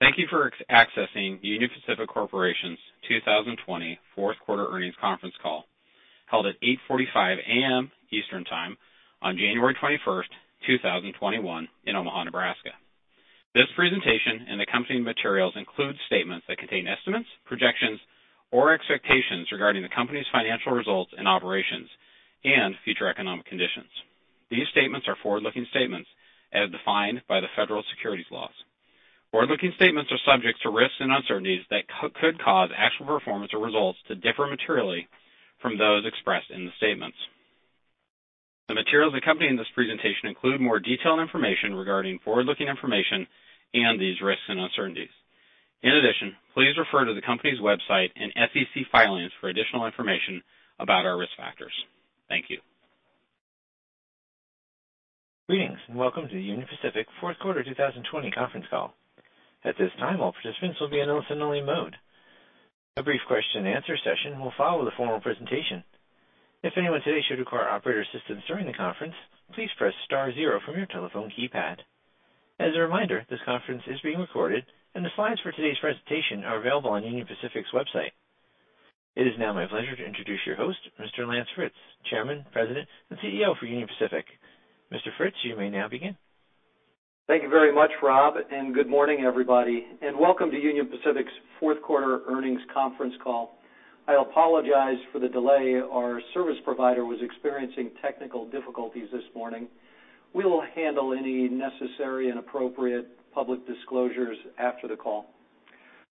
Thank you for accessing Union Pacific Corporation's 2020 fourth quarter earnings conference call, held at 8:45 A.M. Eastern Time on January 21st, 2021, in Omaha, Nebraska. This presentation and accompanying materials include statements that contain estimates, projections, or expectations regarding the company's financial results and operations, and future economic conditions. These statements are forward-looking statements as defined by the federal securities laws. Forward-looking statements are subject to risks and uncertainties that could cause actual performance or results to differ materially from those expressed in the statements. The materials accompanying this presentation include more detailed information regarding forward-looking information and these risks and uncertainties. In addition, please refer to the company's website and SEC filings for additional information about our risk factors. Thank you. Greetings, and welcome to Union Pacific fourth quarter 2020 conference call. At this time, all participants will be in listen-only mode. A brief question and answer session will follow the formal presentation. If anyone today should require operator assistance during the conference, please press star zero from your telephone keypad. As a reminder, this conference is being recorded, and the slides for today's presentation are available on Union Pacific's website. It is now my pleasure to introduce your host, Mr. Lance Fritz, Chairman, President, and CEO for Union Pacific. Mr. Fritz, you may now begin. Thank you very much, Rob, and good morning, everybody, and welcome to Union Pacific's fourth quarter earnings conference call. I apologize for the delay. Our service provider was experiencing technical difficulties this morning. We will handle any necessary and appropriate public disclosures after the call.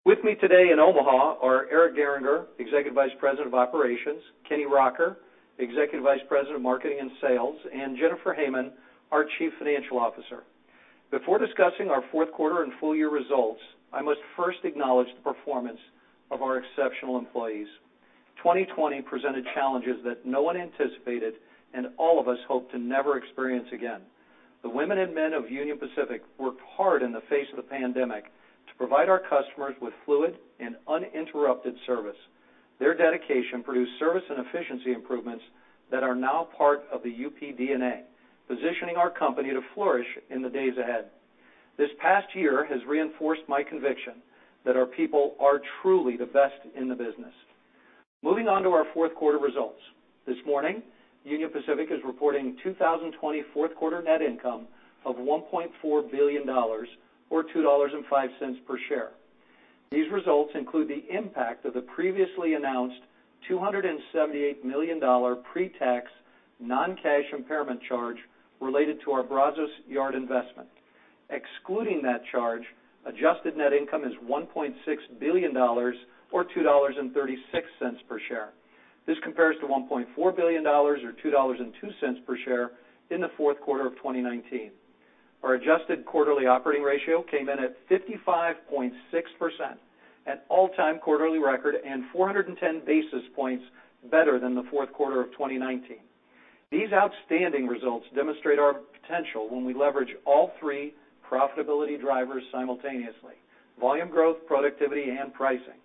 With me today in Omaha are Eric Gehringer, Executive Vice President of Operations, Kenny Rocker, Executive Vice President of Marketing and Sales, and Jennifer Hamann, our Chief Financial Officer. Before discussing our fourth quarter and full year results, I must first acknowledge the performance of our exceptional employees. 2020 presented challenges that no one anticipated and all of us hope to never experience again. The women and men of Union Pacific worked hard in the face of the pandemic to provide our customers with fluid and uninterrupted service. Their dedication produced service and efficiency improvements that are now part of the UP D&A, positioning our company to flourish in the days ahead. This past year has reinforced my conviction that our people are truly the best in the business. Moving on to our fourth quarter results. This morning, Union Pacific is reporting 2020 fourth quarter net income of $1.4 billion, or $2.05 per share. These results include the impact of the previously announced $278 million pre-tax non-cash impairment charge related to our Brazos Yard investment. Excluding that charge, adjusted net income is $1.6 billion or $2.36 per share. This compares to $1.4 billion or $2.02 per share in the fourth quarter of 2019. Our adjusted quarterly operating ratio came in at 55.6%, an all-time quarterly record, and 410 basis points better than the fourth quarter of 2019. These outstanding results demonstrate our potential when we leverage all three profitability drivers simultaneously, volume growth, productivity, and pricing.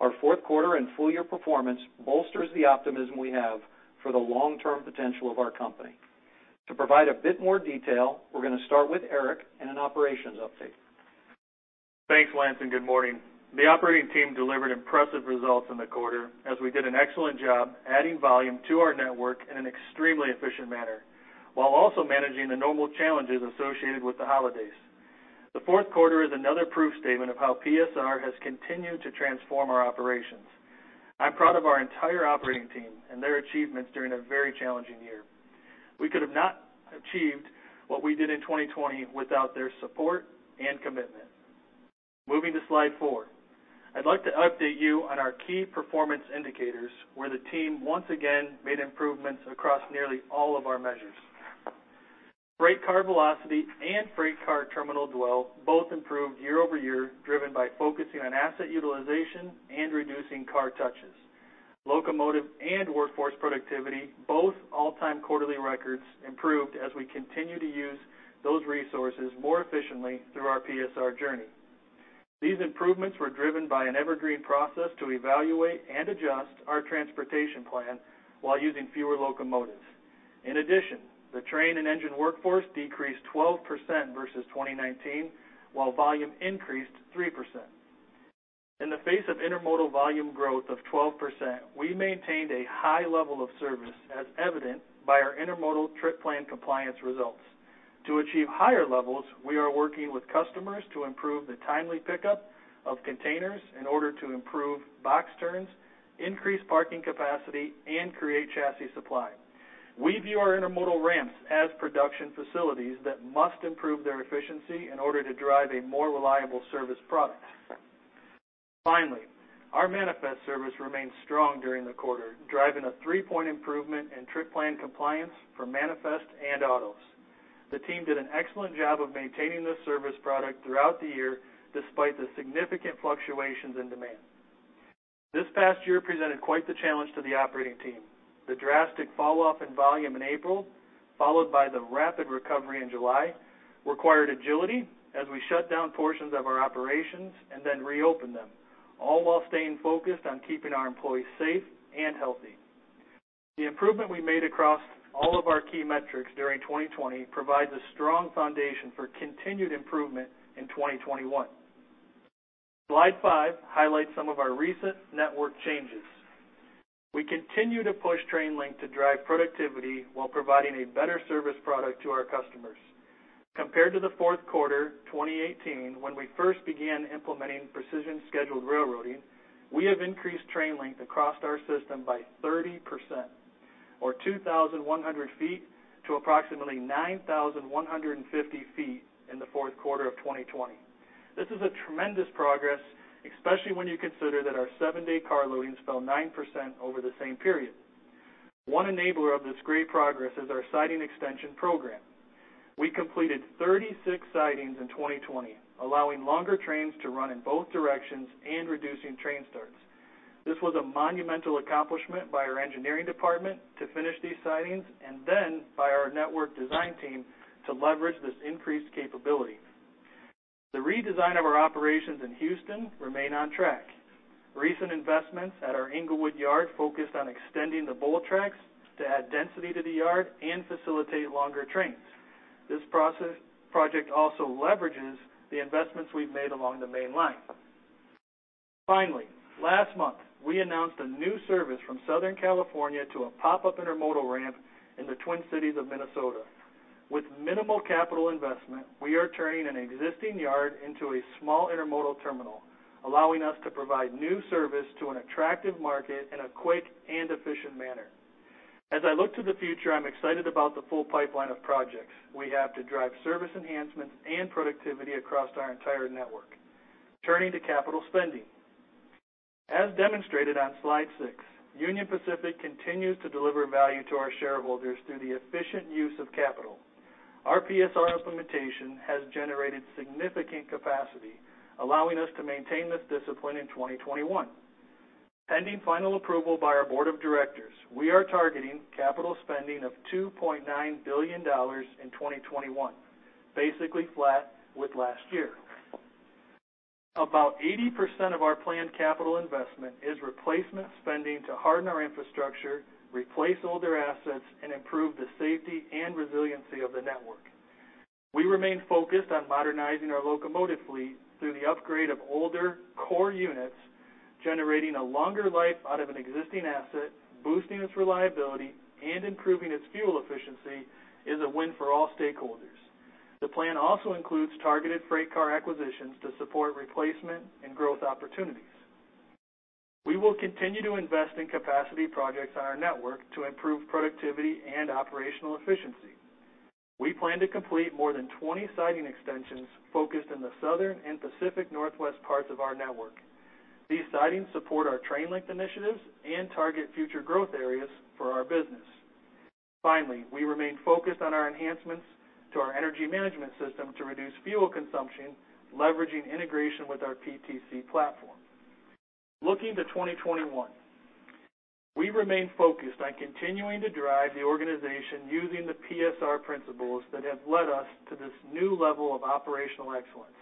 Our fourth quarter and full year performance bolsters the optimism we have for the long-term potential of our company. To provide a bit more detail, we're gonna start with Eric and an operations update. Thanks, Lance, and good morning. The operating team delivered impressive results in the quarter as we did an excellent job adding volume to our network in an extremely efficient manner, while also managing the normal challenges associated with the holidays. The fourth quarter is another proof statement of how PSR has continued to transform our operations. I'm proud of our entire operating team and their achievements during a very challenging year. We could have not achieved what we did in 2020 without their support and commitment. Moving to slide four, I'd like to update you on our key performance indicators, where the team once again made improvements across nearly all of our measures. Freight car velocity and freight car terminal dwell both improved year-over-year, driven by focusing on asset utilization and reducing car touches. Locomotive and workforce productivity, both all-time quarterly records, improved as we continue to use those resources more efficiently through our PSR journey. These improvements were driven by an evergreen process to evaluate and adjust our transportation plan while using fewer locomotives. In addition, the train and engine workforce decreased 12% versus 2019, while volume increased 3%. In the face of intermodal volume growth of 12%, we maintained a high level of service, as evident by our intermodal trip plan compliance results. To achieve higher levels, we are working with customers to improve the timely pickup of containers in order to improve box turns, increase parking capacity, and create chassis supply. We view our intermodal ramps as production facilities that must improve their efficiency in order to drive a more reliable service product. Our manifest service remained strong during the quarter, driving a three-point improvement in trip plan compliance for manifest and autos. The team did an excellent job of maintaining this service product throughout the year, despite the significant fluctuations in demand. This past year presented quite the challenge to the operating team. The drastic fall-off in volume in April, followed by the rapid recovery in July, required agility as we shut down portions of our operations and then reopened them, all while staying focused on keeping our employees safe and healthy. The improvement we made across all of our key metrics during 2020 provides a strong foundation for continued improvement in 2021. Slide five highlights some of our recent network changes. We continue to push train length to drive productivity while providing a better service product to our customers. Compared to the fourth quarter 2018, when we first began implementing Precision Scheduled Railroading, we have increased train length across our system by 30%, or 2,100 ft to approximately 9,150 ft in the fourth quarter of 2020. This is a tremendous progress, especially when you consider that our seven-day car loadings fell 9% over the same period. One enabler of this great progress is our siding extension program. We completed 36 sidings in 2020, allowing longer trains to run in both directions and reducing train starts. This was a monumental accomplishment by our engineering department to finish these sidings, and then by our network design team to leverage this increased capability. The redesign of our operations in Houston remain on track. Recent investments at our Englewood Yard focused on extending the bowl tracks to add density to the yard and facilitate longer trains. This project also leverages the investments we've made along the main line. Finally, last month, we announced a new service from Southern California to a pop-up intermodal ramp in the Twin Cities of Minnesota. With minimal capital investment, we are turning an existing yard into a small intermodal terminal, allowing us to provide new service to an attractive market in a quick and efficient manner. As I look to the future, I'm excited about the full pipeline of projects we have to drive service enhancements and productivity across our entire network. Turning to capital spending. As demonstrated on Slide six, Union Pacific continues to deliver value to our shareholders through the efficient use of capital. Our PSR implementation has generated significant capacity, allowing us to maintain this discipline in 2021. Pending final approval by our board of directors, we are targeting capital spending of $2.9 billion in 2021, basically flat with last year. About 80% of our planned capital investment is replacement spending to harden our infrastructure, replace older assets, and improve the safety and resiliency of the network. We remain focused on modernizing our locomotive fleet through the upgrade of older core units, generating a longer life out of an existing asset, boosting its reliability, and improving its fuel efficiency, is a win for all stakeholders. The plan also includes targeted freight car acquisitions to support replacement and growth opportunities. We will continue to invest in capacity projects on our network to improve productivity and operational efficiency. We plan to complete more than 20 siding extensions focused in the Southern and Pacific Northwest parts of our network. These sidings support our train length initiatives and target future growth areas for our business. Finally, we remain focused on our enhancements to our energy management system to reduce fuel consumption, leveraging integration with our PTC platform. Looking to 2021, we remain focused on continuing to drive the organization using the PSR principles that have led us to this new level of operational excellence.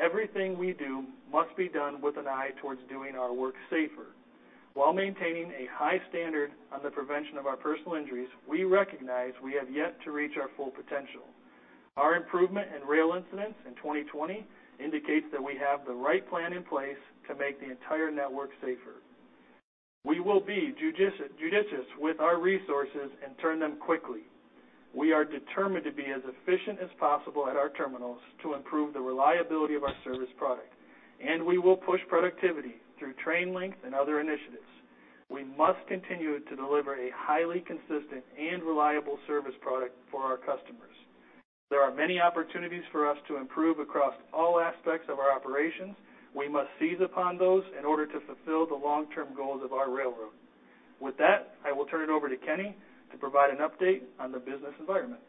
Everything we do must be done with an eye towards doing our work safer. While maintaining a high standard on the prevention of our personal injuries, we recognize we have yet to reach our full potential. Our improvement in rail incidents in 2020 indicates that we have the right plan in place to make the entire network safer. We will be judicious with our resources and turn them quickly. We are determined to be as efficient as possible at our terminals to improve the reliability of our service product, and we will push productivity through train length and other initiatives. We must continue to deliver a highly consistent and reliable service product for our customers. There are many opportunities for us to improve across all aspects of our operations. We must seize upon those in order to fulfill the long-term goals of our railroad. With that, I will turn it over to Kenny to provide an update on the business environment.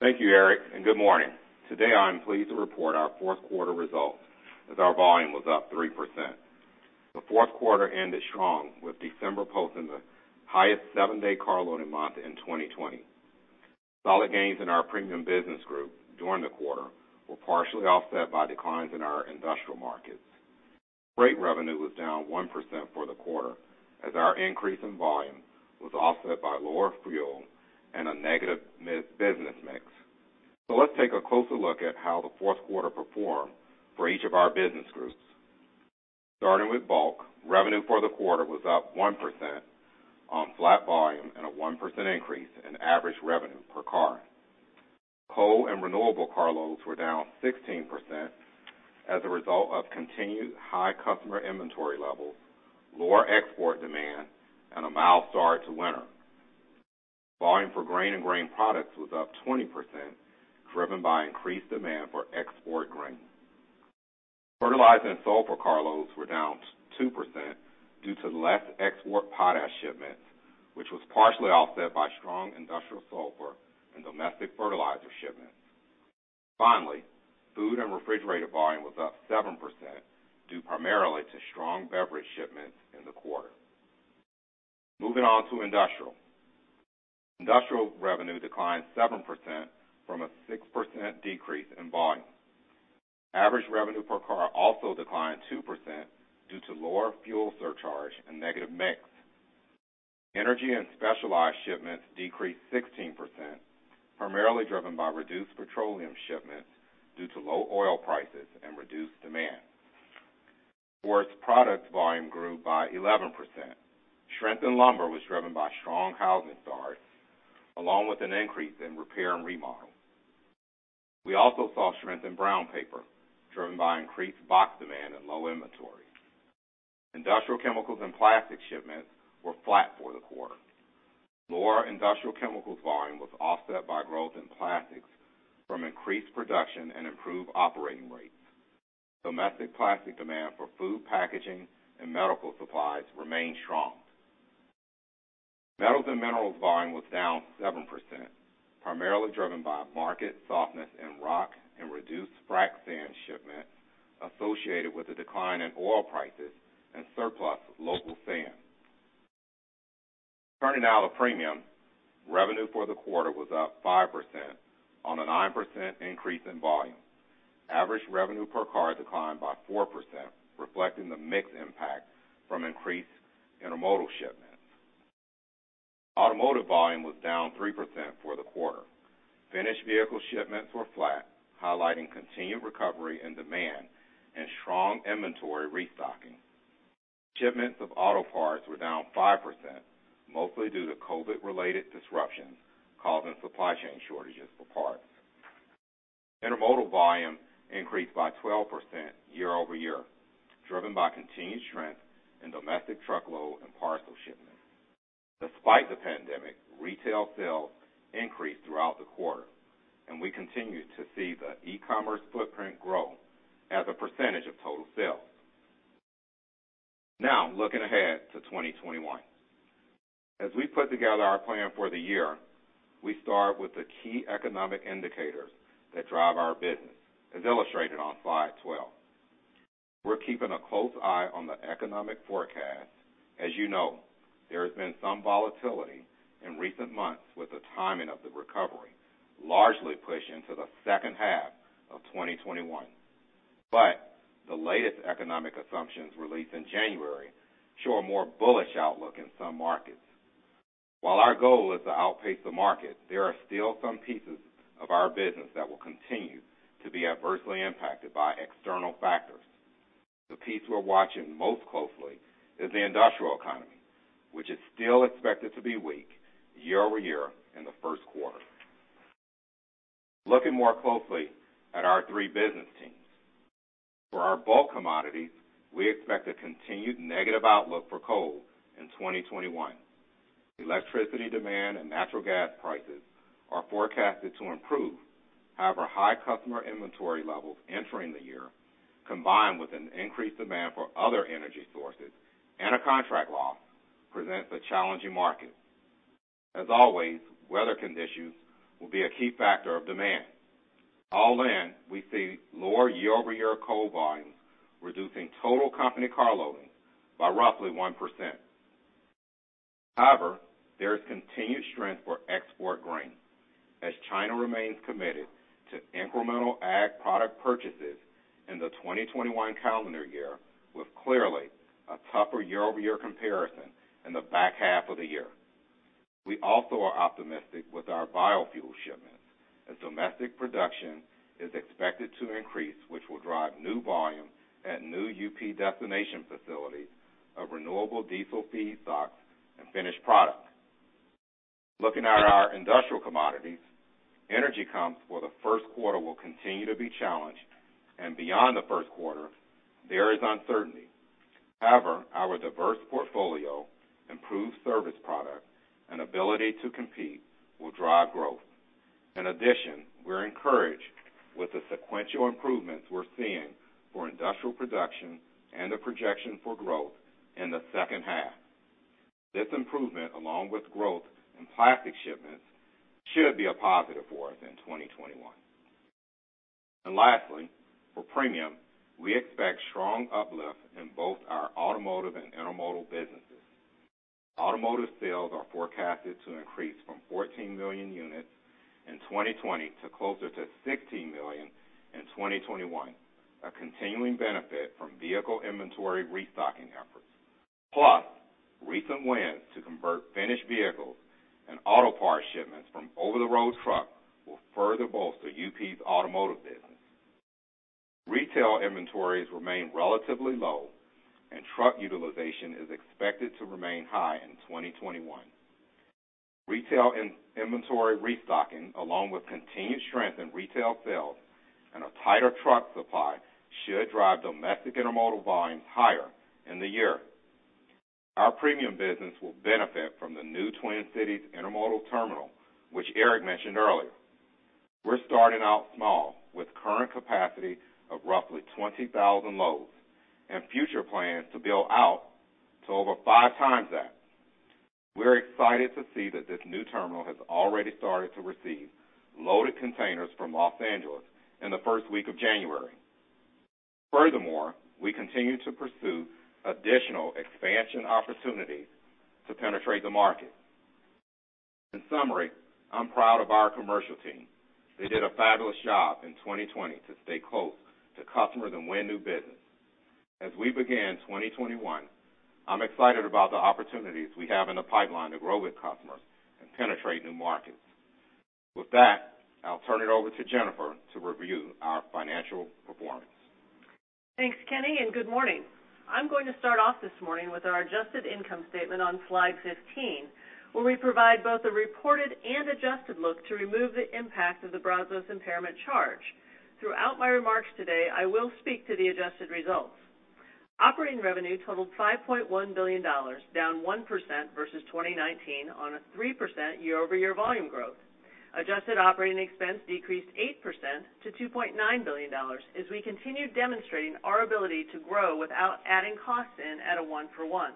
Thank you, Eric. Good morning. Today, I'm pleased to report our fourth quarter results as our volume was up 3%. The fourth quarter ended strong with December posting the highest seven-day car loading month in 2020. Solid gains in our premium business group during the quarter were partially offset by declines in our industrial markets. Freight revenue was down 1% for the quarter as our increase in volume was offset by lower fuel and a negative business mix. Let's take a closer look at how the fourth quarter performed for each of our business groups. Starting with bulk, revenue for the quarter was up 1% on flat volume and a 1% increase in average revenue per car. Coal and renewable car loads were down 16% as a result of continued high customer inventory levels, lower export demand, and a mild start to winter. Volume for grain and grain products was up 20%, driven by increased demand for export grain. Fertilizer and sulfur car loads were down 2% due to less export potash shipments, which was partially offset by strong industrial sulfur and domestic fertilizer shipments. Food and refrigerator volume was up 7% due primarily to strong beverage shipments in the quarter. Moving on to Industrial revenue declined 7% from a 6% decrease in volume. Average revenue per car also declined 2% due to lower fuel surcharge and negative mix. Energy and specialized shipments decreased 16%, primarily driven by reduced petroleum shipments due to low oil prices and reduced demand. Forest products volume grew by 11%. Strength in lumber was driven by strong housing starts, along with an increase in repair and remodel. We also saw strength in brown paper, driven by increased box demand and low inventory. Industrial chemicals and plastics shipments were flat for the quarter. Lower industrial chemicals volume was offset by growth in plastics from increased production and improved operating rates. Domestic plastic demand for food packaging and medical supplies remained strong. Metals and minerals volume was down 7%, primarily driven by market softness in rock and reduced frac sand shipments associated with the decline in oil prices and surplus of local sand. Turning now to premium, revenue for the quarter was up 5% on a 9% increase in volume. Average revenue per car declined by 4%, reflecting the mix impact from increased intermodal shipments. Automotive volume was down 3% for the quarter. Finished vehicle shipments were flat, highlighting continued recovery in demand and strong inventory restocking. Shipments of auto parts were down 5%, mostly due to COVID-related disruptions causing supply chain shortages for parts. Intermodal volume increased by 12% year-over-year, driven by continued strength in domestic truckload and parcel shipments. Despite the pandemic, retail sales increased throughout the quarter, and we continue to see the e-commerce footprint grow as a % of total sales. Looking ahead to 2021. As we put together our plan for the year, we start with the key economic indicators that drive our business, as illustrated on slide 12. We're keeping a close eye on the economic forecast. As you know, there has been some volatility in recent months with the timing of the recovery, largely pushed into the second half of 2021. The latest economic assumptions released in January show a more bullish outlook in some markets. While our goal is to outpace the market, there are still some pieces of our business that will continue to be adversely impacted by external factors. The piece we're watching most closely is the industrial economy, which is still expected to be weak year-over-year in the first quarter. Looking more closely at our three business teams. For our bulk commodities, we expect a continued negative outlook for coal in 2021. Electricity demand and natural gas prices are forecasted to improve. However, high customer inventory levels entering the year, combined with an increased demand for other energy sources and a contract loss, presents a challenging market. As always, weather conditions will be a key factor of demand. All in, we see lower year-over-year coal volumes reducing total company car loading by roughly 1%. However, there is continued strength for export grain as China remains committed to incremental ag product purchases in the 2021 calendar year, with clearly a tougher year-over-year comparison in the back half of the year. We also are optimistic with our biofuel shipments as domestic production is expected to increase, which will drive new volume at new UP destination facilities of renewable diesel feedstocks and finished products. Looking at our industrial commodities, energy comps for the first quarter will continue to be challenged. Beyond the first quarter, there is uncertainty. However, our diverse portfolio, improved service product, and ability to compete will drive growth. In addition, we're encouraged with the sequential improvements we're seeing for industrial production and the projection for growth in the second half. This improvement, along with growth in plastic shipments, should be a positive for us in 2021. Lastly, for premium, we expect strong uplift in both our automotive and intermodal businesses. Automotive sales are forecasted to increase from 14 million units in 2020 to closer to 16 million in 2021, a continuing benefit from vehicle inventory restocking efforts. Recent wins to convert finished vehicles and auto parts shipments from over-the-road truck will further bolster UP's automotive business. Retail inventories remain relatively low, and truck utilization is expected to remain high in 2021. Retail inventory restocking, along with continued strength in retail sales and a tighter truck supply, should drive domestic intermodal volumes higher in the year. Our premium business will benefit from the new Twin Cities Intermodal Terminal, which Eric mentioned earlier. We're starting out small, with current capacity of roughly 20,000 loads and future plans to build out to over five times that. We're excited to see that this new terminal has already started to receive loaded containers from Los Angeles in the first week of January. We continue to pursue additional expansion opportunities to penetrate the market. In summary, I'm proud of our commercial team. They did a fabulous job in 2020 to stay close to customers and win new business. As we begin 2021, I'm excited about the opportunities we have in the pipeline to grow with customers and penetrate new markets. With that, I'll turn it over to Jennifer to review our financial performance. Thanks, Kenny, and good morning. I'm going to start off this morning with our adjusted income statement on slide 15, where we provide both a reported and adjusted look to remove the impact of the Brazos impairment charge. Throughout my remarks today, I will speak to the adjusted results. Operating revenue totaled $5.1 billion, down 1% versus 2019 on a 3% year-over-year volume growth. Adjusted operating expense decreased 8% to $2.9 billion as we continued demonstrating our ability to grow without adding costs in at a one for one.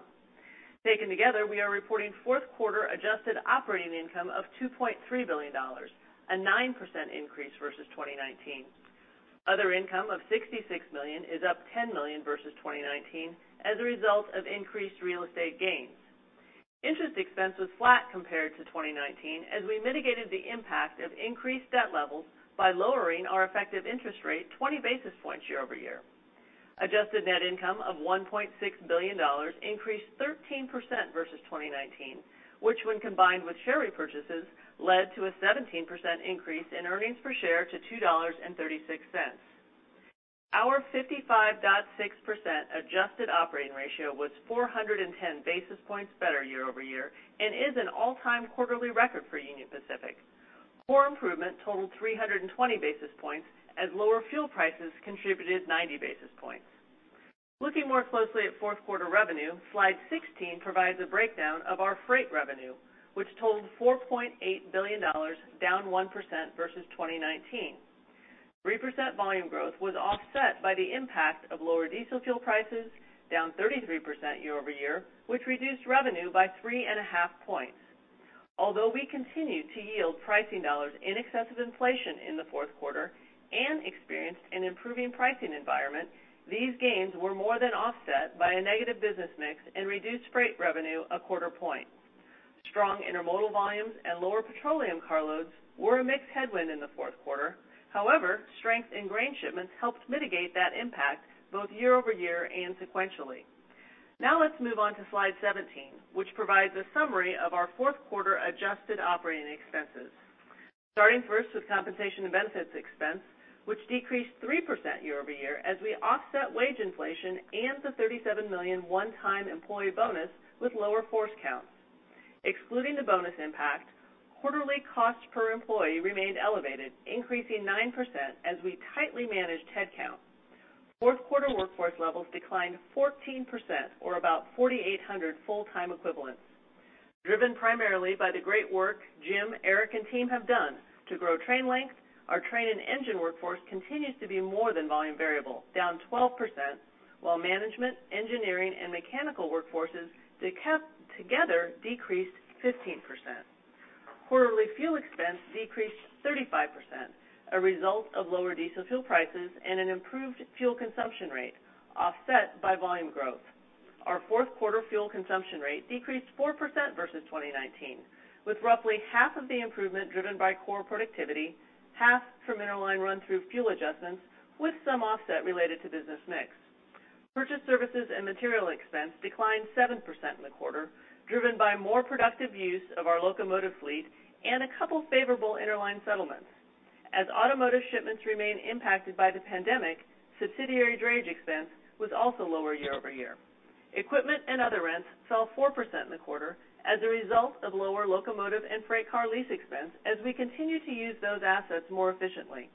Taken together, we are reporting fourth quarter adjusted operating income of $2.3 billion, a 9% increase versus 2019. Other income of $66 million is up $10 million versus 2019 as a result of increased real estate gains. Interest expense was flat compared to 2019 as we mitigated the impact of increased debt levels by lowering our effective interest rate 20 basis points year-over-year. Adjusted net income of $1.6 billion increased 13% versus 2019, which when combined with share repurchases, led to a 17% increase in earnings per share to $2.36. Our 55.6% adjusted operating ratio was 410 basis points better year-over-year and is an all-time quarterly record for Union Pacific. Core improvement totaled 320 basis points as lower fuel prices contributed 90 basis points. Looking more closely at fourth quarter revenue, slide 16 provides a breakdown of our freight revenue, which totaled $4.8 billion, down 1% versus 2019. 3% volume growth was offset by the impact of lower diesel fuel prices, down 33% year-over-year, which reduced revenue by three and a half points. Although we continued to yield pricing dollars in excess of inflation in the fourth quarter and experienced an improving pricing environment, these gains were more than offset by a negative business mix and reduced freight revenue a quarter point. Strong intermodal volumes and lower petroleum car loads were a mixed headwind in the fourth quarter. However, strength in grain shipments helped mitigate that impact both year-over-year and sequentially. Now let's move on to slide 17, which provides a summary of our fourth quarter adjusted operating expenses. Starting first with compensation and benefits expense, which decreased 3% year-over-year as we offset wage inflation and the $37 million one-time employee bonus with lower force counts. Excluding the bonus impact, quarterly cost per employee remained elevated, increasing 9% as we tightly managed head count. Fourth quarter workforce levels declined 14%, or about 4,800 full-time equivalents. Driven primarily by the great work Jim, Eric, and team have done to grow train length, our train and engine workforce continues to be more than volume variable, down 12%, while management, engineering, and mechanical workforces together decreased 15%. Quarterly fuel expense decreased 35%, a result of lower diesel fuel prices and an improved fuel consumption rate, offset by volume growth. Our fourth quarter fuel consumption rate decreased 4% versus 2019, with roughly half of the improvement driven by core productivity, half from interline run-through fuel adjustments, with some offset related to business mix. Purchased services and material expense declined 7% in the quarter, driven by more productive use of our locomotive fleet and a couple favorable interline settlements. As automotive shipments remain impacted by the pandemic, subsidiary drayage expense was also lower year-over-year. Equipment and other rents fell 4% in the quarter as a result of lower locomotive and freight car lease expense as we continue to use those assets more efficiently.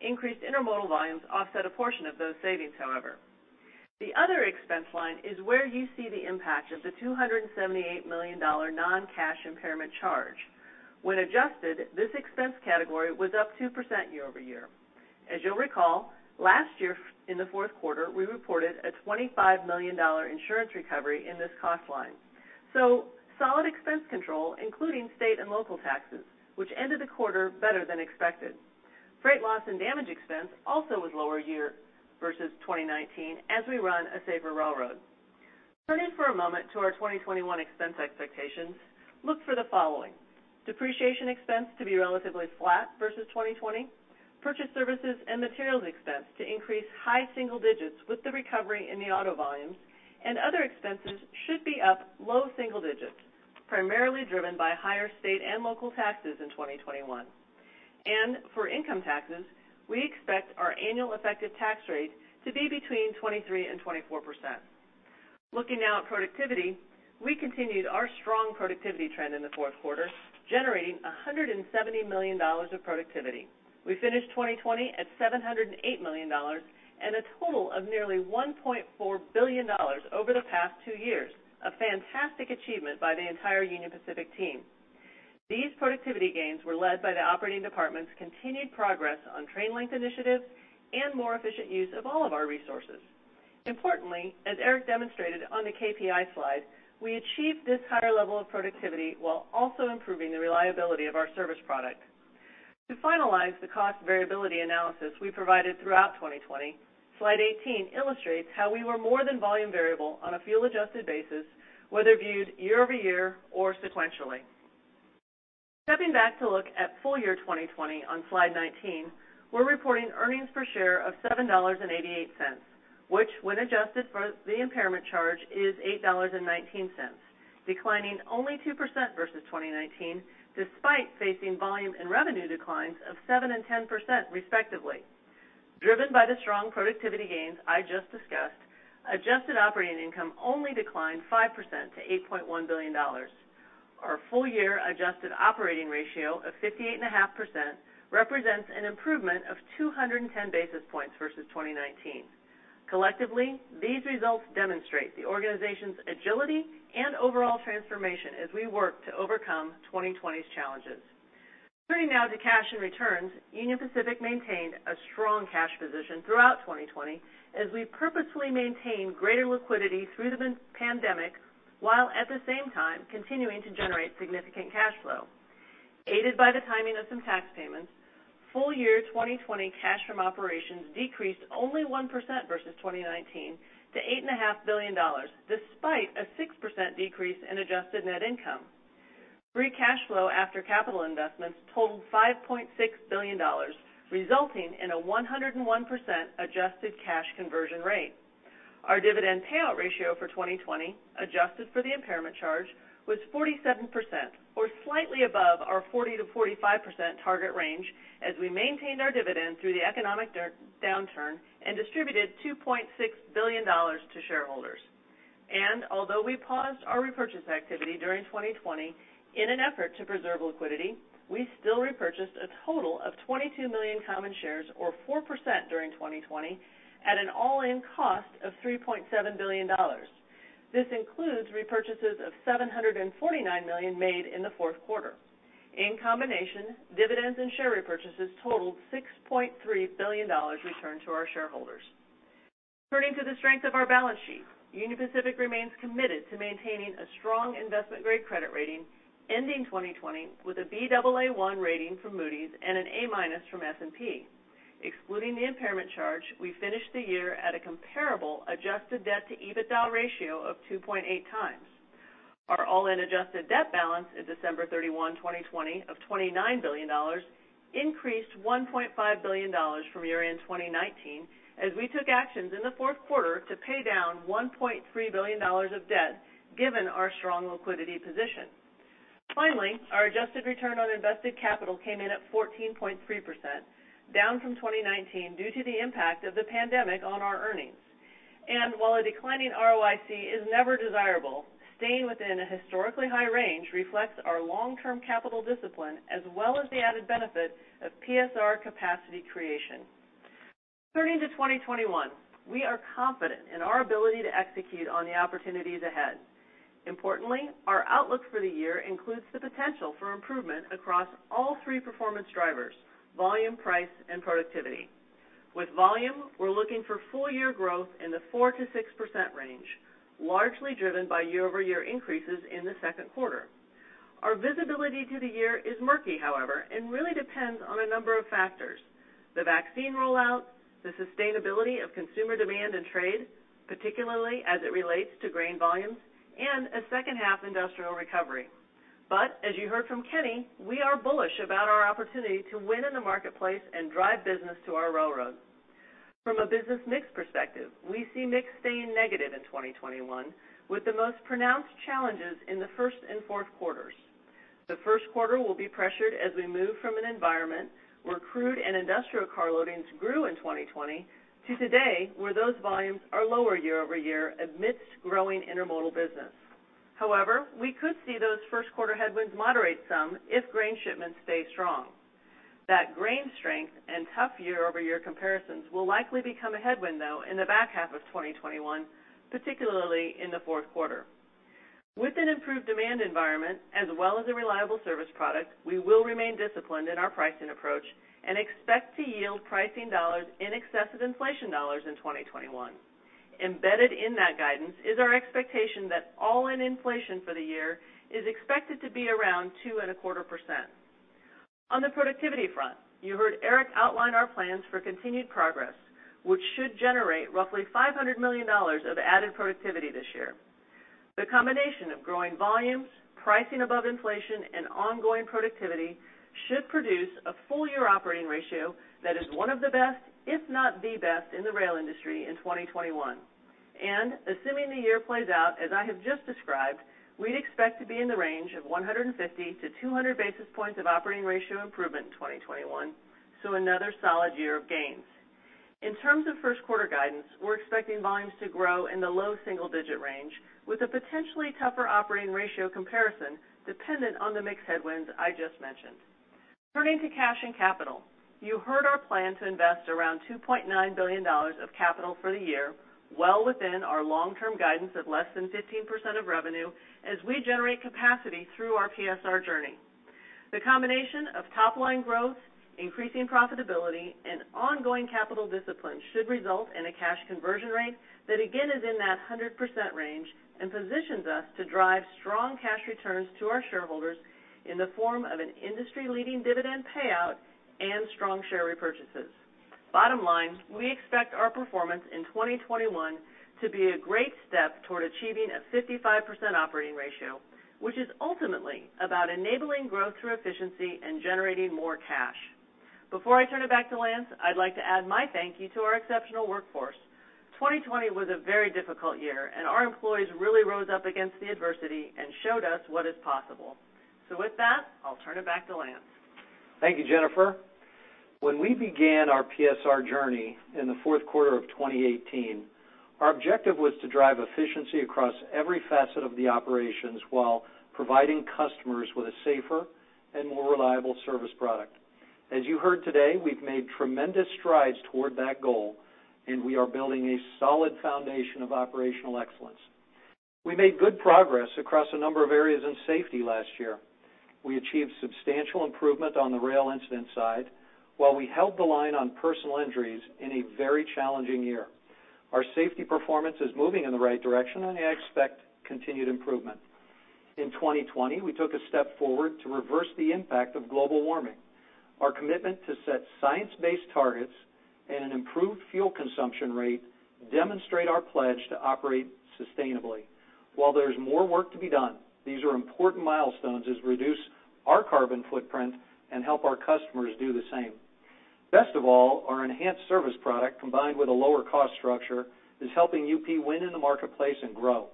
Increased intermodal volumes offset a portion of those savings, however. The other expense line is where you see the impact of the $278 million non-cash impairment charge. When adjusted, this expense category was up 2% year-over-year. As you'll recall, last year in the fourth quarter, we reported a $25 million insurance recovery in this cost line. Solid expense control, including state and local taxes, which ended the quarter better than expected. Freight loss and damage expense also was lower year versus 2019 as we run a safer railroad. Turning for a moment to our 2021 expense expectations, look for the following. Depreciation expense to be relatively flat versus 2020. Purchased services and materials expense to increase high single digits with the recovery in the auto volumes, other expenses should be up low single digits, primarily driven by higher state and local taxes in 2021. For income taxes, we expect our annual effective tax rate to be between 23% and 24%. Looking now at productivity, we continued our strong productivity trend in the fourth quarter, generating $170 million of productivity. We finished 2020 at $708 million and a total of nearly $1.4 billion over the past two years, a fantastic achievement by the entire Union Pacific team. These productivity gains were led by the operating department's continued progress on train length initiatives and more efficient use of all of our resources. Importantly, as Eric demonstrated on the KPI slide, we achieved this higher level of productivity while also improving the reliability of our service product. To finalize the cost variability analysis we provided throughout 2020, slide 18 illustrates how we were more than volume variable on a fuel adjusted basis, whether viewed year-over-year or sequentially. Stepping back to look at full year 2020 on slide 19, we're reporting earnings per share of $7.88, which, when adjusted for the impairment charge, is $8.19, declining only 2% versus 2019, despite facing volume and revenue declines of 7% and 10%, respectively. Driven by the strong productivity gains I just discussed, adjusted operating income only declined 5% to $8.1 billion. Our full year adjusted operating ratio of 58.5% represents an improvement of 210 basis points versus 2019. Collectively, these results demonstrate the organization's agility and overall transformation as we work to overcome 2020's challenges. Turning now to cash and returns, Union Pacific maintained a strong cash position throughout 2020 as we purposefully maintained greater liquidity through the pandemic, while at the same time continuing to generate significant cash flow. Aided by the timing of some tax payments, full year 2020 cash from operations decreased only 1% versus 2019 to $8.5 billion, despite a 6% decrease in adjusted net income. Free cash flow after capital investments totaled $5.6 billion, resulting in a 101% adjusted cash conversion rate. Our dividend payout ratio for 2020, adjusted for the impairment charge, was 47%, or slightly above our 40%-45% target range, as we maintained our dividend through the economic downturn and distributed $2.6 billion to shareholders. Although we paused our repurchase activity during 2020 in an effort to preserve liquidity, we still repurchased a total of 22 million common shares, or 4%, during 2020 at an all-in cost of $3.7 billion. This includes repurchases of $749 million made in the fourth quarter. In combination, dividends and share repurchases totaled $6.3 billion returned to our shareholders. Turning to the strength of our balance sheet, Union Pacific remains committed to maintaining a strong investment-grade credit rating, ending 2020 with a Baa1 rating from Moody's and an A- from S&P. Excluding the impairment charge, we finished the year at a comparable adjusted debt to EBITDA ratio of 2.8 times. Our all-in adjusted debt balance is December 31, 2020, of $29 billion, increased $1.5 billion from year-end 2019 as we took actions in the fourth quarter to pay down $1.3 billion of debt, given our strong liquidity position. Finally, our adjusted return on invested capital came in at 14.3%, down from 2019 due to the impact of the pandemic on our earnings. While a declining ROIC is never desirable, staying within a historically high range reflects our long-term capital discipline, as well as the added benefit of PSR capacity creation. Turning to 2021, we are confident in our ability to execute on the opportunities ahead. Importantly, our outlook for the year includes the potential for improvement across all three performance drivers, volume, price, and productivity. With volume, we're looking for full-year growth in the 4%-6% range, largely driven by year-over-year increases in the second quarter. Our visibility to the year is murky, however, and really depends on a number of factors, the vaccine rollout, the sustainability of consumer demand and trade, particularly as it relates to grain volumes, and a second half industrial recovery. As you heard from Kenny, we are bullish about our opportunity to win in the marketplace and drive business to our railroad. From a business mix perspective, we see mix staying negative in 2021, with the most pronounced challenges in the first and fourth quarters. The first quarter will be pressured as we move from an environment where crude and industrial car loadings grew in 2020 to today, where those volumes are lower year-over-year amidst growing intermodal business. We could see those first quarter headwinds moderate some if grain shipments stay strong. That grain strength and tough year-over-year comparisons will likely become a headwind, though, in the back half of 2021, particularly in the fourth quarter. With an improved demand environment, as well as a reliable service product, we will remain disciplined in our pricing approach and expect to yield pricing dollars in excess of inflation dollars in 2021. Embedded in that guidance is our expectation that all-in inflation for the year is expected to be around 2.25%. On the productivity front, you heard Eric outline our plans for continued progress, which should generate roughly $500 million of added productivity this year. The combination of growing volumes, pricing above inflation, and ongoing productivity should produce a full-year operating ratio that is one of the best, if not the best, in the rail industry in 2021. Assuming the year plays out as I have just described, we'd expect to be in the range of 150-200 basis points of operating ratio improvement in 2021, so another solid year of gains. In terms of first quarter guidance, we're expecting volumes to grow in the low single-digit range with a potentially tougher operating ratio comparison dependent on the mix headwinds I just mentioned. Turning to cash and capital, you heard our plan to invest around $2.9 billion of capital for the year, well within our long-term guidance of less than 15% of revenue as we generate capacity through our PSR journey. The combination of top-line growth, increasing profitability, and ongoing capital discipline should result in a cash conversion rate that again is in that 100% range and positions us to drive strong cash returns to our shareholders in the form of an industry-leading dividend payout and strong share repurchases. Bottom line, we expect our performance in 2021 to be a great step toward achieving a 55% operating ratio, which is ultimately about enabling growth through efficiency and generating more cash. Before I turn it back to Lance, I'd like to add my thank you to our exceptional workforce. 2020 was a very difficult year, and our employees really rose up against the adversity and showed us what is possible. With that, I'll turn it back to Lance. Thank you, Jennifer. When we began our PSR journey in the fourth quarter of 2018, our objective was to drive efficiency across every facet of the operations while providing customers with a safer and more reliable service product. As you heard today, we've made tremendous strides toward that goal, and we are building a solid foundation of operational excellence. We made good progress across a number of areas in safety last year. We achieved substantial improvement on the rail incident side, while we held the line on personal injuries in a very challenging year. Our safety performance is moving in the right direction, and I expect continued improvement. In 2020, we took a step forward to reverse the impact of global warming. Our commitment to set science-based targets and an improved fuel consumption rate demonstrate our pledge to operate sustainably. While there's more work to be done, these are important milestones as we reduce our carbon footprint and help our customers do the same. Best of all, our enhanced service product, combined with a lower cost structure, is helping UP win in the marketplace and grow.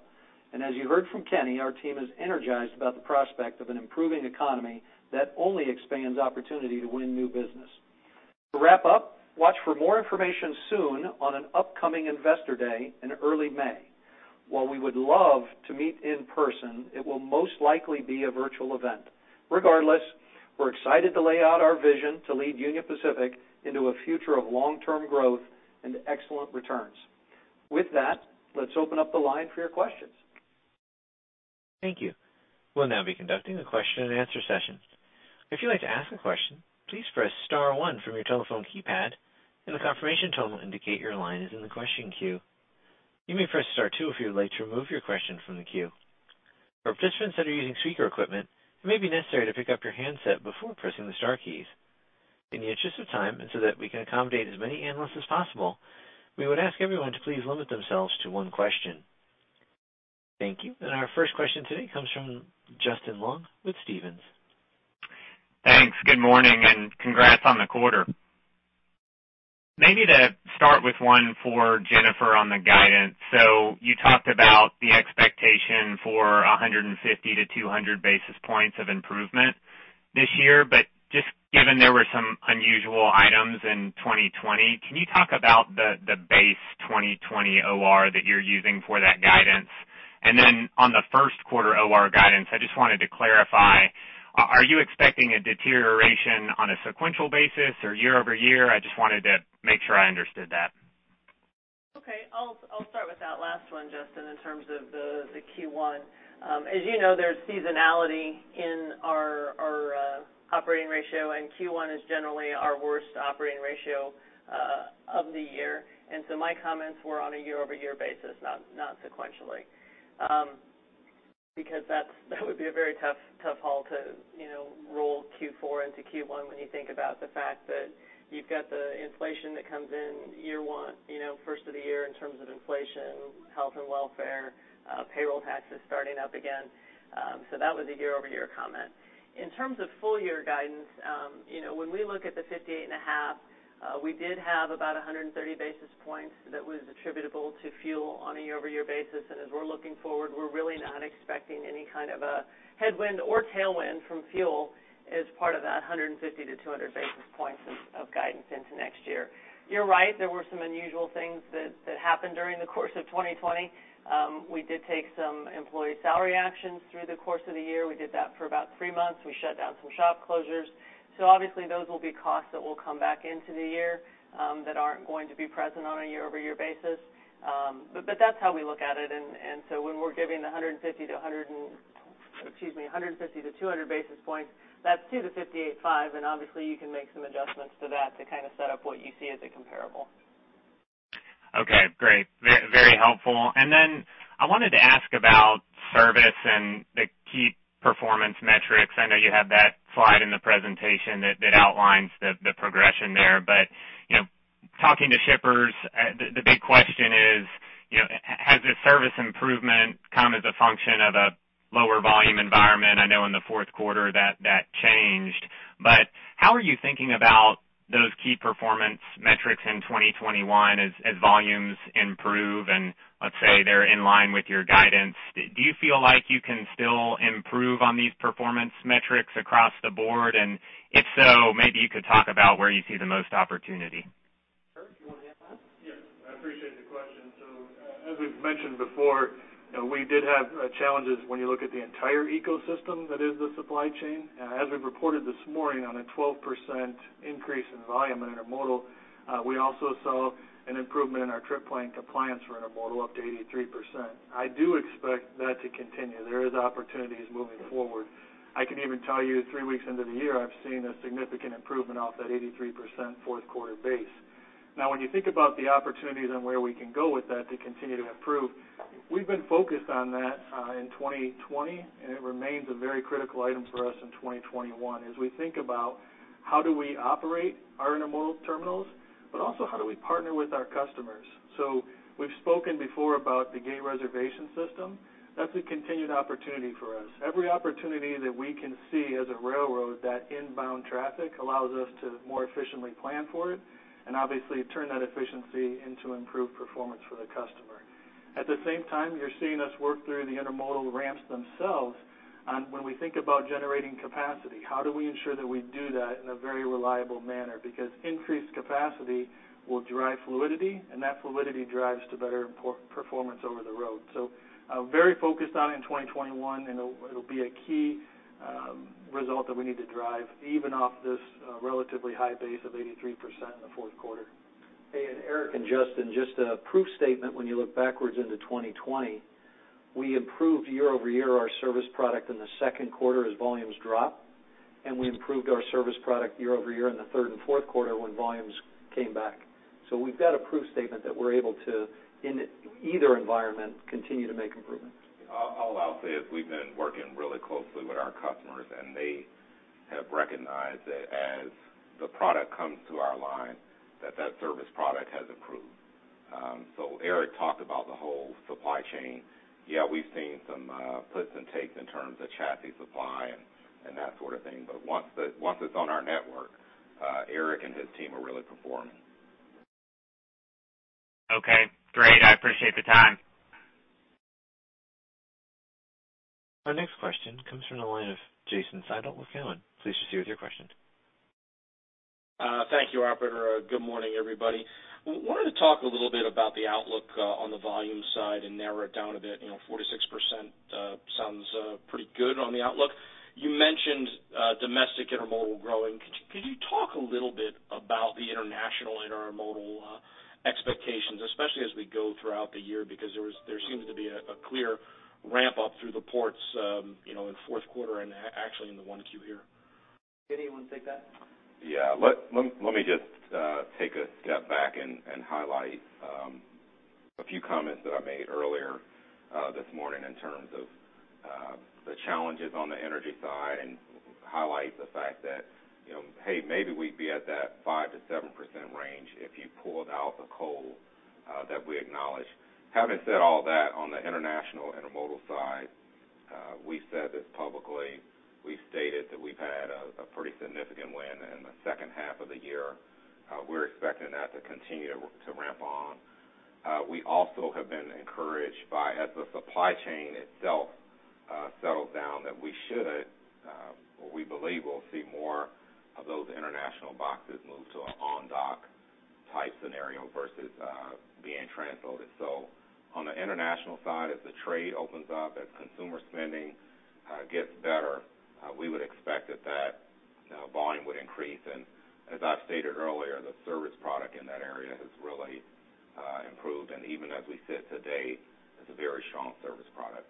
As you heard from Kenny, our team is energized about the prospect of an improving economy that only expands opportunity to win new business. To wrap up, watch for more information soon on an upcoming investor day in early May. While we would love to meet in person, it will most likely be a virtual event. Regardless, we're excited to lay out our vision to lead Union Pacific into a future of long-term growth and excellent returns. With that, let's open up the line for your questions. Thank you. We'll now be conducting a question and answer session. If you'd like to ask a question, please press star one from your telephone keypad, and a confirmation tone will indicate your line is in the question queue. You may press star two if you would like to remove your question from the queue. For participants that are using speaker equipment, it may be necessary to pick up your handset before pressing the star keys. In the interest of time, so that we can accommodate as many analysts as possible, we would ask everyone to please limit themselves to one question. Thank you. Our first question today comes from Justin Long with Stephens. Thanks. Good morning, and congrats on the quarter. Maybe to start with one for Jennifer on the guidance. You talked about the expectation for 150-200 basis points of improvement this year, but just given there were some unusual items in 2020, can you talk about the base 2020 OR that you're using for that guidance? On the first quarter OR guidance, I just wanted to clarify, are you expecting a deterioration on a sequential basis or year-over-year? I just wanted to make sure I understood that. Okay. I'll start with that last one, Justin, in terms of the Q1. As you know, there's seasonality in our operating ratio, Q1 is generally our worst operating ratio of the year. My comments were on a year-over-year basis, not sequentially, because that would be a very tough haul to roll Q4 into Q1 when you think about the fact that you've got the inflation that comes in year one, first of the year in terms of inflation, health and welfare, payroll taxes starting up again. That was a year-over-year comment. In terms of full year guidance, when we look at the 58.5, we did have about 130 basis points that was attributable to fuel on a year-over-year basis. As we're looking forward, we're really not expecting any kind of a headwind or tailwind from fuel as part of that 150-200 basis points of guidance into next year. You're right, there were some unusual things that happened during the course of 2020. We did take some employee salary actions through the course of the year. We did that for about three months. We shut down some shop closures. Obviously those will be costs that will come back into the year that aren't going to be present on a year-over-year basis. That's how we look at it, when we're giving 150-200 basis points, that's to the 58.5, obviously you can make some adjustments to that to kind of set up what you see as a comparable. Okay, great. Very helpful. I wanted to ask about service and the key performance metrics. I know you have that slide in the presentation that outlines the progression there. Talking to shippers, the big question is, has the service improvement come as a function of a lower volume environment? I know in the fourth quarter that changed. How are you thinking about those key performance metrics in 2021 as volumes improve and, let's say, they're in line with your guidance? Do you feel like you can still improve on these performance metrics across the board? If so, maybe you could talk about where you see the most opportunity. Eric, you want to hit that? Yes. I appreciate the question. As we've mentioned before, we did have challenges when you look at the entire ecosystem that is the supply chain. As we've reported this morning on a 12% increase in volume in intermodal, we also saw an improvement in our trip plan compliance for intermodal up to 83%. I do expect that to continue. There is opportunities moving forward. I can even tell you, three weeks into the year, I've seen a significant improvement off that 83% fourth quarter base. When you think about the opportunities and where we can go with that to continue to improve. We've been focused on that in 2020, and it remains a very critical item for us in 2021 as we think about how do we operate our intermodal terminals, but also how do we partner with our customers. We've spoken before about the gate reservation system. That's a continued opportunity for us. Every opportunity that we can see as a railroad, that inbound traffic allows us to more efficiently plan for it and obviously turn that efficiency into improved performance for the customer. At the same time, you're seeing us work through the intermodal ramps themselves on when we think about generating capacity, how do we ensure that we do that in a very reliable manner? Because increased capacity will drive fluidity, and that fluidity drives to better performance over the road. Very focused on it in 2021, and it'll be a key result that we need to drive even off this relatively high base of 83% in the fourth quarter. Hey, Eric and Justin, just a proof statement when you look backwards into 2020, we improved year-over-year our service product in the second quarter as volumes dropped, we improved our service product year-over-year in the third and fourth quarter when volumes came back. We've got a proof statement that we're able to, in either environment, continue to make improvements. All I'll say is we've been working really closely with our customers, and they have recognized that as the product comes through our line, that that service product has improved. Eric talked about the whole supply chain. Yeah, we've seen some puts and takes in terms of chassis supply and that sort of thing. Once it's on our network, Eric and his team are really performing. Okay, great. I appreciate the time. Our next question comes from the line of Jason Seidl with Cowen. Please proceed with your question. Thank you, operator. Good morning, everybody. Wanted to talk a little bit about the outlook on the volume side and narrow it down a bit. 4%-6% sounds pretty good on the outlook. You mentioned domestic intermodal growing. Could you talk a little bit about the international intermodal expectations, especially as we go throughout the year? There seems to be a clear ramp up through the ports in the fourth quarter and actually into 1Q here. Kenny, you want to take that? Yeah. Let me just take a step back and highlight a few comments that I made earlier this morning in terms of the challenges on the energy side and highlight the fact that, hey, maybe we'd be at that 5%-7% range if you pulled out the coal that we acknowledged. Having said all that, on the international intermodal side, we've said this publicly, we've stated that we've had a pretty significant win in the second half of the year. We're expecting that to continue to ramp on. We also have been encouraged by, as the supply chain itself settles down, that we should, or we believe we'll see more of those international boxes move to an on-dock type scenario versus being transloaded. On the international side, as the trade opens up, as consumer spending gets better, we would expect that that volume would increase. As I've stated earlier, the service product in that area has really improved, and even as we sit today, it's a very strong service product.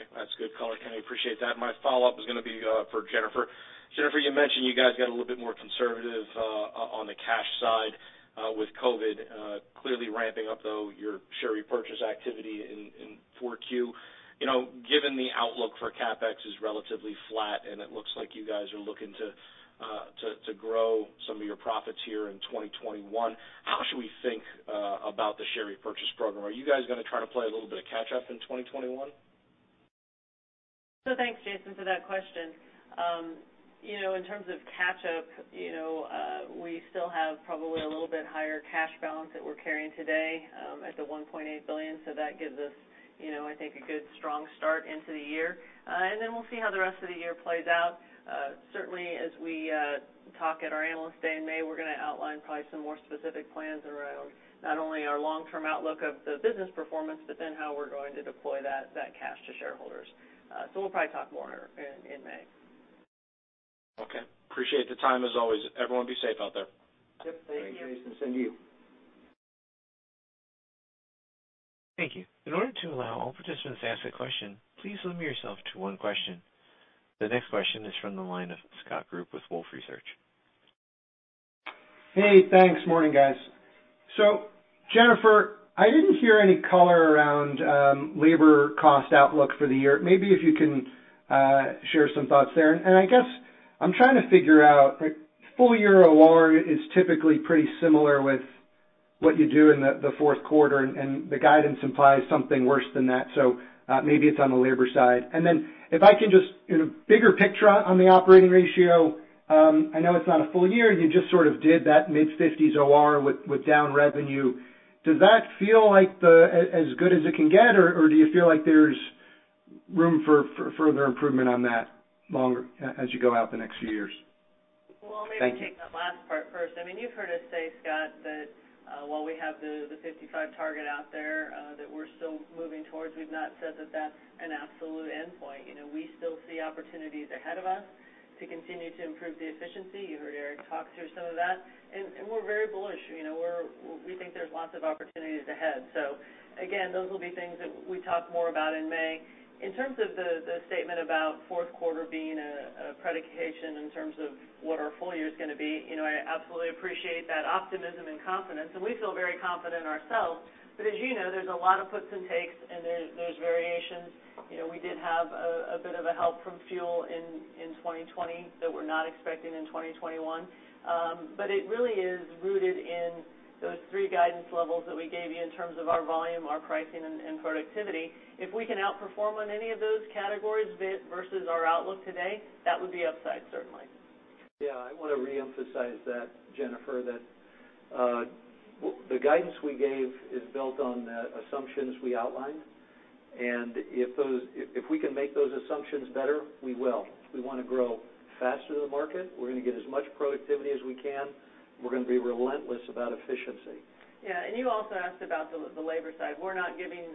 That's good color, Kenny. Appreciate that. My follow-up is going to be for Jennifer. Jennifer, you mentioned you guys got a little bit more conservative on the cash side with COVID clearly ramping up, though your share repurchase activity in 4Q. Given the outlook for CapEx is relatively flat, and it looks like you guys are looking to grow some of your profits here in 2021, how should we think about the share repurchase program? Are you guys going to try to play a little bit of catch up in 2021? Thanks, Jason, for that question. In terms of catch up, we still have probably a little bit higher cash balance that we're carrying today at the $1.8 billion. That gives us, I think, a good strong start into the year. Then we'll see how the rest of the year plays out. Certainly, as we talk at our Analyst Day in May, we're going to outline probably some more specific plans around not only our long-term outlook of the business performance, but then how we're going to deploy that cash to shareholders. We'll probably talk more in May. Okay. Appreciate the time as always. Everyone be safe out there. Yep. Thank you. Thanks, Jason. Same to you. Thank you. In order to allow all participants to ask a question, please limit yourself to one question. The next question is from the line of Scott Group with Wolfe Research. Hey, thanks. Morning, guys. Jennifer, I didn't hear any color around labor cost outlook for the year. Maybe if you can share some thoughts there. I guess I'm trying to figure out full year OR is typically pretty similar with what you do in the fourth quarter, and the guidance implies something worse than that. Maybe it's on the labor side. If I can just, bigger picture on the operating ratio, I know it's not a full year. You just sort of did that mid-fifties OR with down revenue. Does that feel like as good as it can get, or do you feel like there's room for further improvement on that as you go out the next few years? Thank you. Well, maybe take that last part first. You've heard us say, Scott, that while we have the 55 target out there that we're still moving towards, we've not said that that's an absolute endpoint. We still see opportunities ahead of us to continue to improve the efficiency. You heard Eric talk through some of that. We're very bullish. We think there's lots of opportunities ahead. Again, those will be things that we talk more about in May. In terms of the statement about fourth quarter being a prediction in terms of what our full year's going to be, I absolutely appreciate that optimism and confidence. We feel very confident ourselves. As you know, there's a lot of puts and takes. There's variations. We did have a bit of a help from fuel in 2020 that we're not expecting in 2021. It really is rooted in those three guidance levels that we gave you in terms of our volume, our pricing, and productivity. If we can outperform on any of those categories versus our outlook today, that would be upside certainly. Yeah, I want to reemphasize that, Jennifer, that the guidance we gave is built on the assumptions we outlined. If we can make those assumptions better, we will. We want to grow faster than the market. We're going to get as much productivity as we can. We're going to be relentless about efficiency. You also asked about the labor side. We're not giving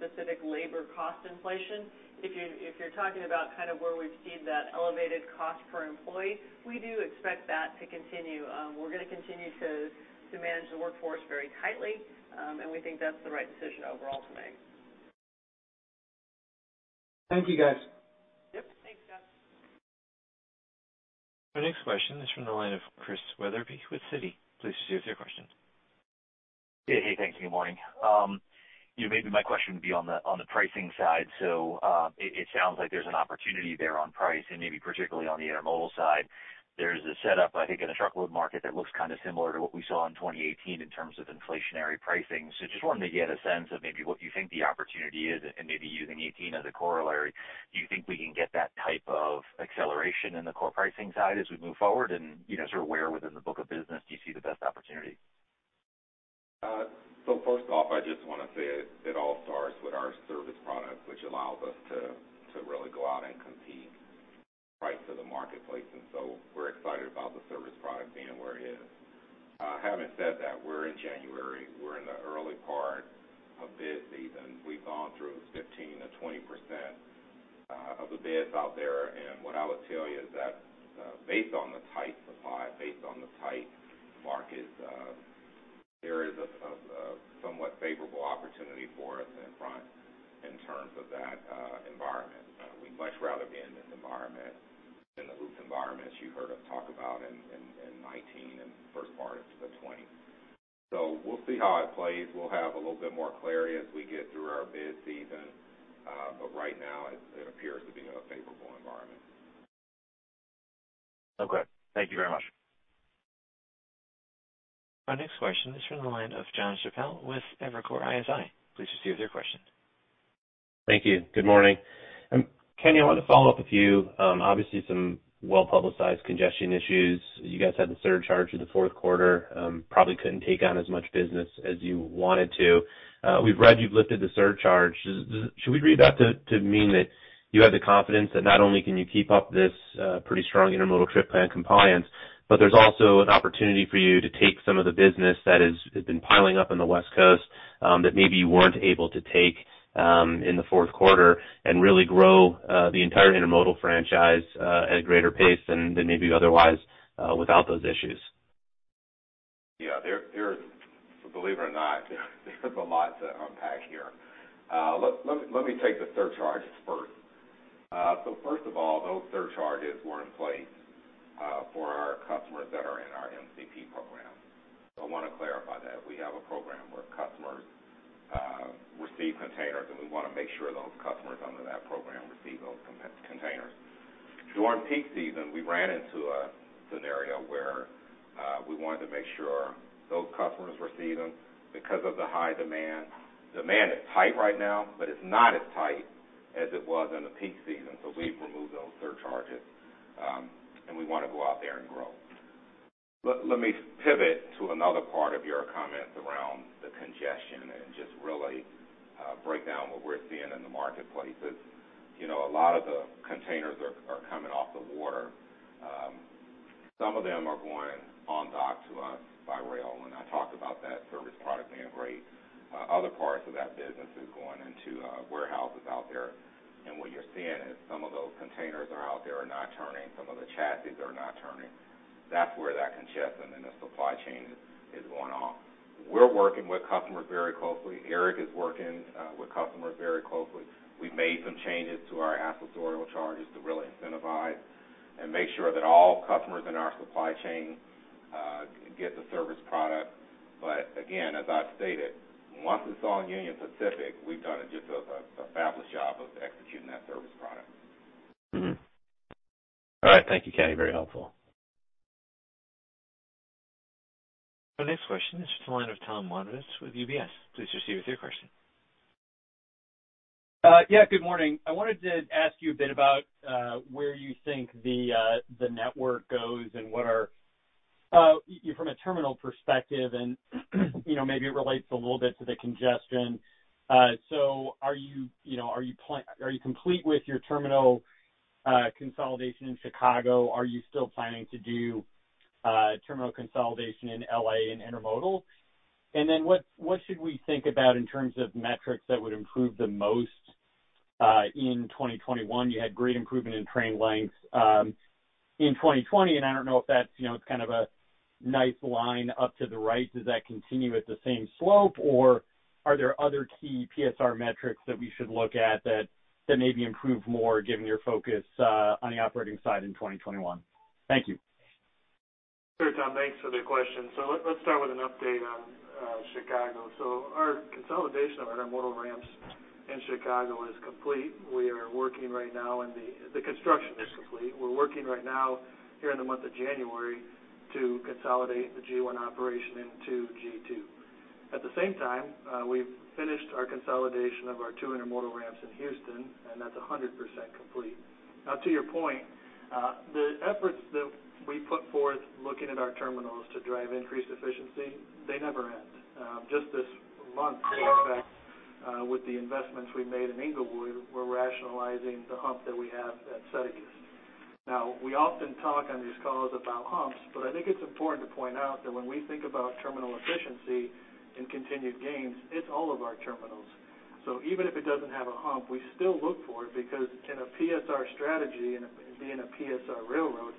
specific labor cost inflation. If you're talking about where we've seen that elevated cost per employee, we do expect that to continue. We're going to continue to manage the workforce very tightly, and we think that's the right decision overall to make. Thank you, guys. Yep. Thanks, Scott. Our next question is from the line of Chris Wetherbee with Citi. Please proceed with your question. Yeah, hey, thanks. Good morning. Maybe my question would be on the pricing side. It sounds like there's an opportunity there on price and maybe particularly on the intermodal side. There's a setup, I think, in the truckload market that looks kind of similar to what we saw in 2018 in terms of inflationary pricing. Just wanted to get a sense of maybe what you think the opportunity is, and maybe using 2018 as a corollary. Do you think we can get that type of acceleration in the core pricing side as we move forward? Sort of where within the book of business do you see the best opportunity? First off, I just want to say it all starts with our service product, which allows us to really go out and compete right to the marketplace. We're excited about the service product being where it is. Having said that, we're in January. We're in the early part of bid season. We've gone through 15%-20% of the bids out there. What I would tell you is that, based on the tight supply, based on the tight market, there is a somewhat favorable opportunity for us in front in terms of that environment. We'd much rather be in this environment than the [loop] environment, as you heard us talk about in 2019 and the first part of 2020. We'll see how it plays. We'll have a little bit more clarity as we get through our bid season. Right now, it appears to be a favorable environment. Okay. Thank you very much. Our next question is from the line of John Chappell with Evercore ISI. Please proceed with your question. Thank you. Good morning. Kenny, I wanted to follow up with you. Obviously, some well-publicized congestion issues. You guys had the surcharge in the fourth quarter. Probably couldn't take on as much business as you wanted to. We've read you've lifted the surcharge. Should we read that to mean that you have the confidence that not only can you keep up this pretty strong intermodal trip plan compliance, but there's also an opportunity for you to take some of the business that has been piling up on the West Coast that maybe you weren't able to take in the fourth quarter and really grow the entire intermodal franchise at a greater pace than maybe otherwise without those issues? Yeah. Believe it or not, there's a lot to unpack here. Let me take the surcharges first. First of all, those surcharges were in place for our customers that are in our MCP program. I want to clarify that we have a program where customers receive containers, and we want to make sure those customers under that program receive those containers. During peak season, we ran into a scenario where we wanted to make sure those customers receive them because of the high demand. Demand is tight right now, but it's not as tight as it was in the peak season. We've removed those surcharges, and we want to go out there and grow. Let me pivot to another part of your comment around the congestion. Just really break down what we're seeing in the marketplace is a lot of the containers are coming off the water. Some of them are going on dock to us by rail, and I talked about that service product being great. Other parts of that business is going into warehouses out there, and what you're seeing is some of those containers are out there are not turning, some of the chassis are not turning. That's where that congestion in the supply chain is going off. We're working with customers very closely. Eric is working with customers very closely. We made some changes to our accessorial charges to really incentivize and make sure that all customers in our supply chain get the service product. Again, as I've stated, once this is on Union Pacific, we've done just a fabulous job of executing that service product. All right. Thank you, Kenny. Very helpful. Our next question is from the line of Tom Wadewitz with UBS. Please proceed with your question. Yeah, good morning. I wanted to ask you a bit about where you think the network goes and what are from a terminal perspective, and maybe it relates a little bit to the congestion. Are you complete with your terminal consolidation in Chicago? Are you still planning to do terminal consolidation in L.A. and intermodal? What should we think about in terms of metrics that would improve the most in 2021? You had great improvement in train lengths in 2020, and I don't know if that's a nice line up to the right. Does that continue at the same slope, or are there other key PSR metrics that we should look at that maybe improve more given your focus on the operating side in 2021? Thank you. Sure, Tom. Thanks for the question. Let's start with an update on Chicago. Our consolidation of our intermodal ramps in Chicago is complete. The construction is complete. We're working right now, here in the month of January, to consolidate the Global 1 operation into Global 2. At the same time, we've finished our consolidation of our two intermodal ramps in Houston, and that's 100% complete. To your point, the efforts that we put forth looking at our terminals to drive increased efficiency, they never end. Just this month, in fact, with the investments we made in Englewood, we're rationalizing the hump that we have at Settegast. We often talk on these calls about humps, I think it's important to point out that when we think about terminal efficiency and continued gains, it's all of our terminals. Even if it doesn't have a hump, we still look for it, because in a PSR strategy and being a PSR railroad,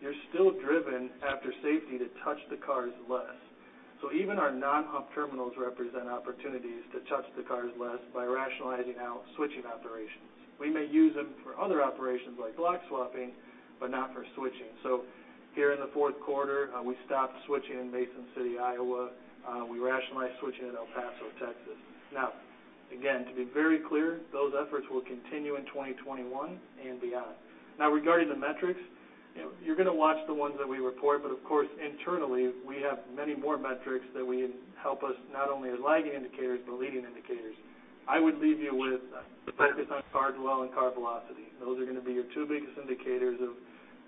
you're still driven, after safety, to touch the cars less. Even our non-hump terminals represent opportunities to touch the cars less by rationalizing out switching operations. We may use them for other operations like block swapping, but not for switching. Here in the fourth quarter, we stopped switching in Mason City, Iowa. We rationalized switching in El Paso, Texas. Again, to be very clear, those efforts will continue in 2021 and beyond. Regarding the metrics, you're going to watch the ones that we report, but of course, internally, we have many more metrics that help us, not only as lagging indicators, but leading indicators. I would leave you with the focus on car dwell and car velocity. Those are going to be your two biggest indicators of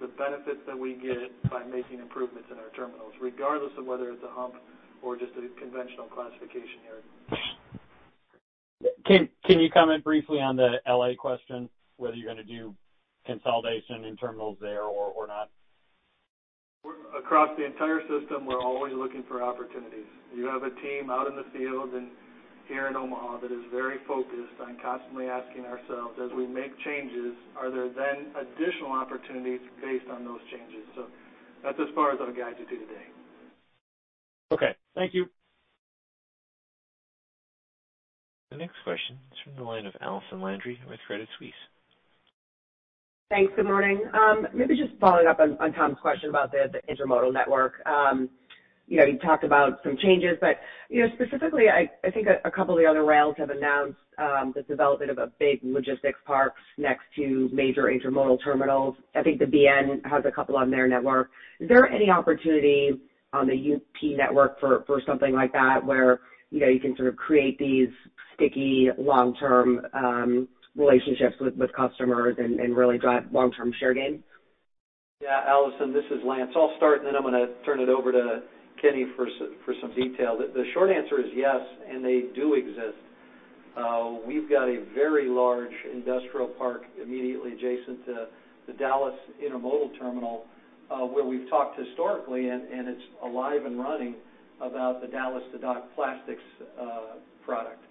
the benefits that we get by making improvements in our terminals, regardless of whether it's a hump or just a conventional classification yard. Can you comment briefly on the L.A. question, whether you're going to do consolidation in terminals there or not? Across the entire system, we're always looking for opportunities. We have a team out in the field and here in Omaha that is very focused on constantly asking ourselves, as we make changes, are there then additional opportunities based on those changes? That's as far as I'll guide you to today. Okay. Thank you. The next question is from the line of Allison Landry with Credit Suisse. Thanks, good morning. Maybe just following up on Tom's question about the intermodal network. You talked about some changes, but specifically, I think a couple of the other rails have announced the development of a big logistics park next to major intermodal terminals. I think the BNSF has a couple on their network. Is there any opportunity on the UP network for something like that where you can sort of create these sticky long-term relationships with customers and really drive long-term share gains? Yeah, Allison, this is Lance. I'll start, and then I'm going to turn it over to Kenny for some detail. The short answer is yes. They do exist. We've got a very large industrial park immediately adjacent to the Dallas intermodal terminal, where we've talked historically, and it's alive and running, about the Dallas to Dock plastics product.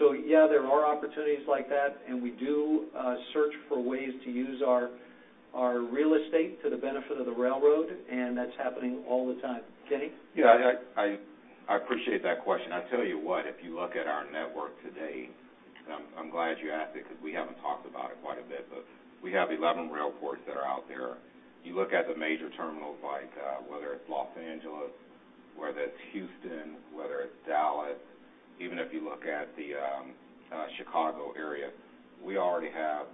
Yeah, there are opportunities like that, and we do search for ways to use our real estate to the benefit of the railroad, and that's happening all the time. Kenny? Yeah, I appreciate that question. I tell you what, if you look at our network today, I'm glad you asked it because we haven't talked about it quite a bit, but we have 11 rail ports that are out there. You look at the major terminals, like whether it's Los Angeles, whether it's Houston, whether it's Dallas, even if you look at the Chicago area, we already have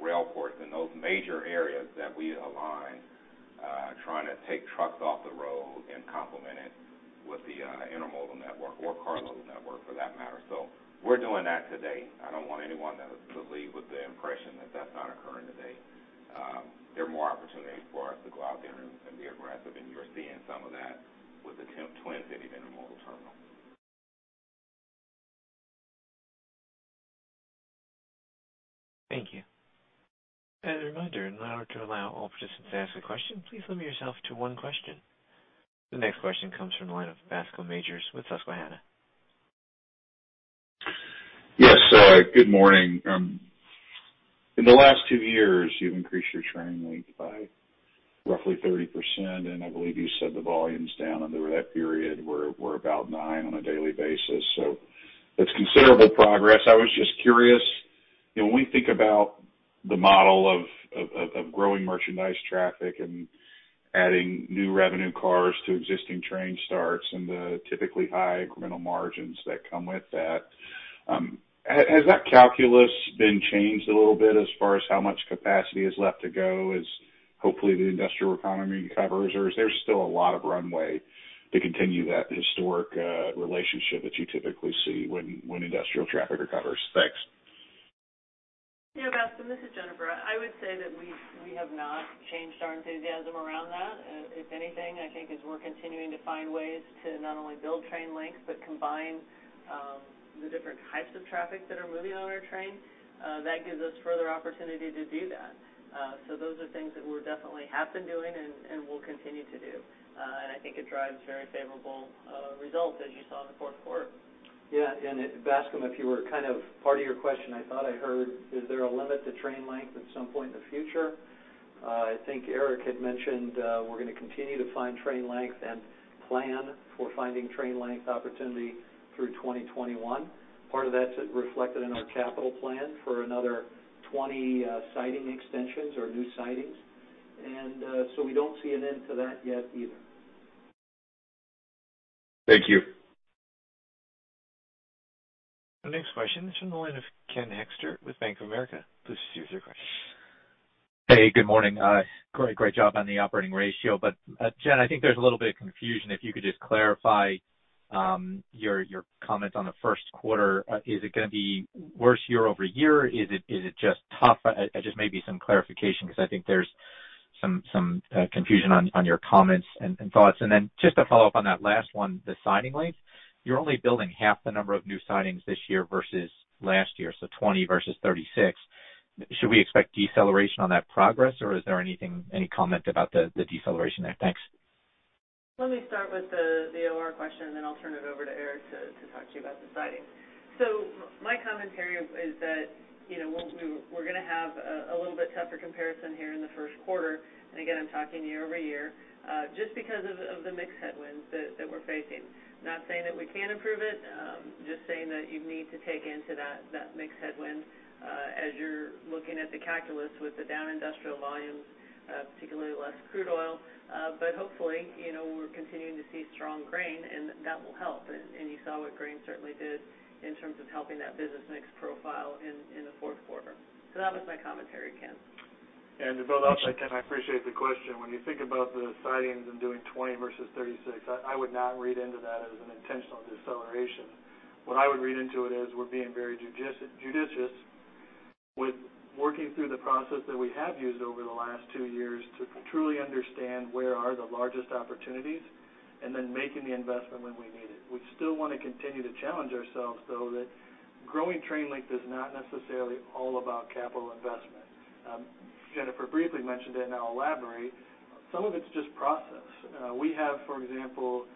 rail ports in those major areas that we align, trying to take trucks off the road and complement it with the intermodal network or carload network for that matter. We're doing that today. I don't want anyone to leave with the impression that that's not occurring today. There are more opportunities for us to go out there and be aggressive, and you're seeing some of that with the Twin Cities intermodal terminal. Thank you. As a reminder, in order to allow all participants to ask a question, please limit yourself to one question. The next question comes from the line of Bascome Majors with Susquehanna. Yes, good morning. In the last two years, you've increased your train length by roughly 30%, and I believe you said the volume's down, and over that period, we're about nine on a daily basis, so that's considerable progress. I was just curious, when we think about the model of growing merchandise traffic and adding new revenue cars to existing train starts and the typically high incremental margins that come with that, has that calculus been changed a little bit as far as how much capacity is left to go as hopefully the industrial economy recovers? Is there still a lot of runway to continue that historic relationship that you typically see when industrial traffic recovers? Thanks. Yeah, Bascome, this is Jennifer. I would say that we have not changed our enthusiasm around that. If anything, I think as we're continuing to find ways to not only build train lengths but combine different types of traffic that are moving on our train, that gives us further opportunity to do that. Those are things that we definitely have been doing and will continue to do. I think it drives very favorable results, as you saw in the fourth quarter. Yeah. Bascome, part of your question I thought I heard, is there a limit to train length at some point in the future? I think Eric had mentioned we're going to continue to find train length and plan for finding train length opportunity through 2021. Part of that's reflected in our capital plan for another 20 siding extensions or new sidings. We don't see an end to that yet either. Thank you. Our next question is from the line of Ken Hoexter with Bank of America. Please proceed with your question. Hey, good morning. Great job on the operating ratio. Jen, I think there's a little bit of confusion, if you could just clarify your comments on the first quarter. Is it going to be worse year-over-year? Is it just tough? Just maybe some clarification, because I think there's some confusion on your comments and thoughts. Just to follow up on that last one, the siding length, you're only building half the number of new sidings this year versus last year, so 20 versus 36. Should we expect deceleration on that progress, or is there any comment about the deceleration there? Thanks. Let me start with the OR question, and then I'll turn it over to Eric to talk to you about the sidings. My commentary is that we're going to have a little bit tougher comparison here in the first quarter, and again, I'm talking year-over-year, just because of the mixed headwinds that we're facing. Not saying that we can't improve it, just saying that you need to take into that mixed headwind as you're looking at the calculus with the down industrial volumes, particularly less crude oil. Hopefully, we're continuing to see strong grain, and that will help, and you saw what grain certainly did in terms of helping that business mix profile in the fourth quarter. That was my commentary, Ken. To build off that, Ken, I appreciate the question. When you think about the sidings and doing 20 versus 36, I would not read into that as an intentional deceleration. I would read into it is we're being very judicious with working through the process that we have used over the last two years to truly understand where are the largest opportunities, and then making the investment when we need it. We still want to continue to challenge ourselves, though, that growing train length is not necessarily all about capital investment. Jennifer briefly mentioned it and I'll elaborate, some of it's just process. We have, for example,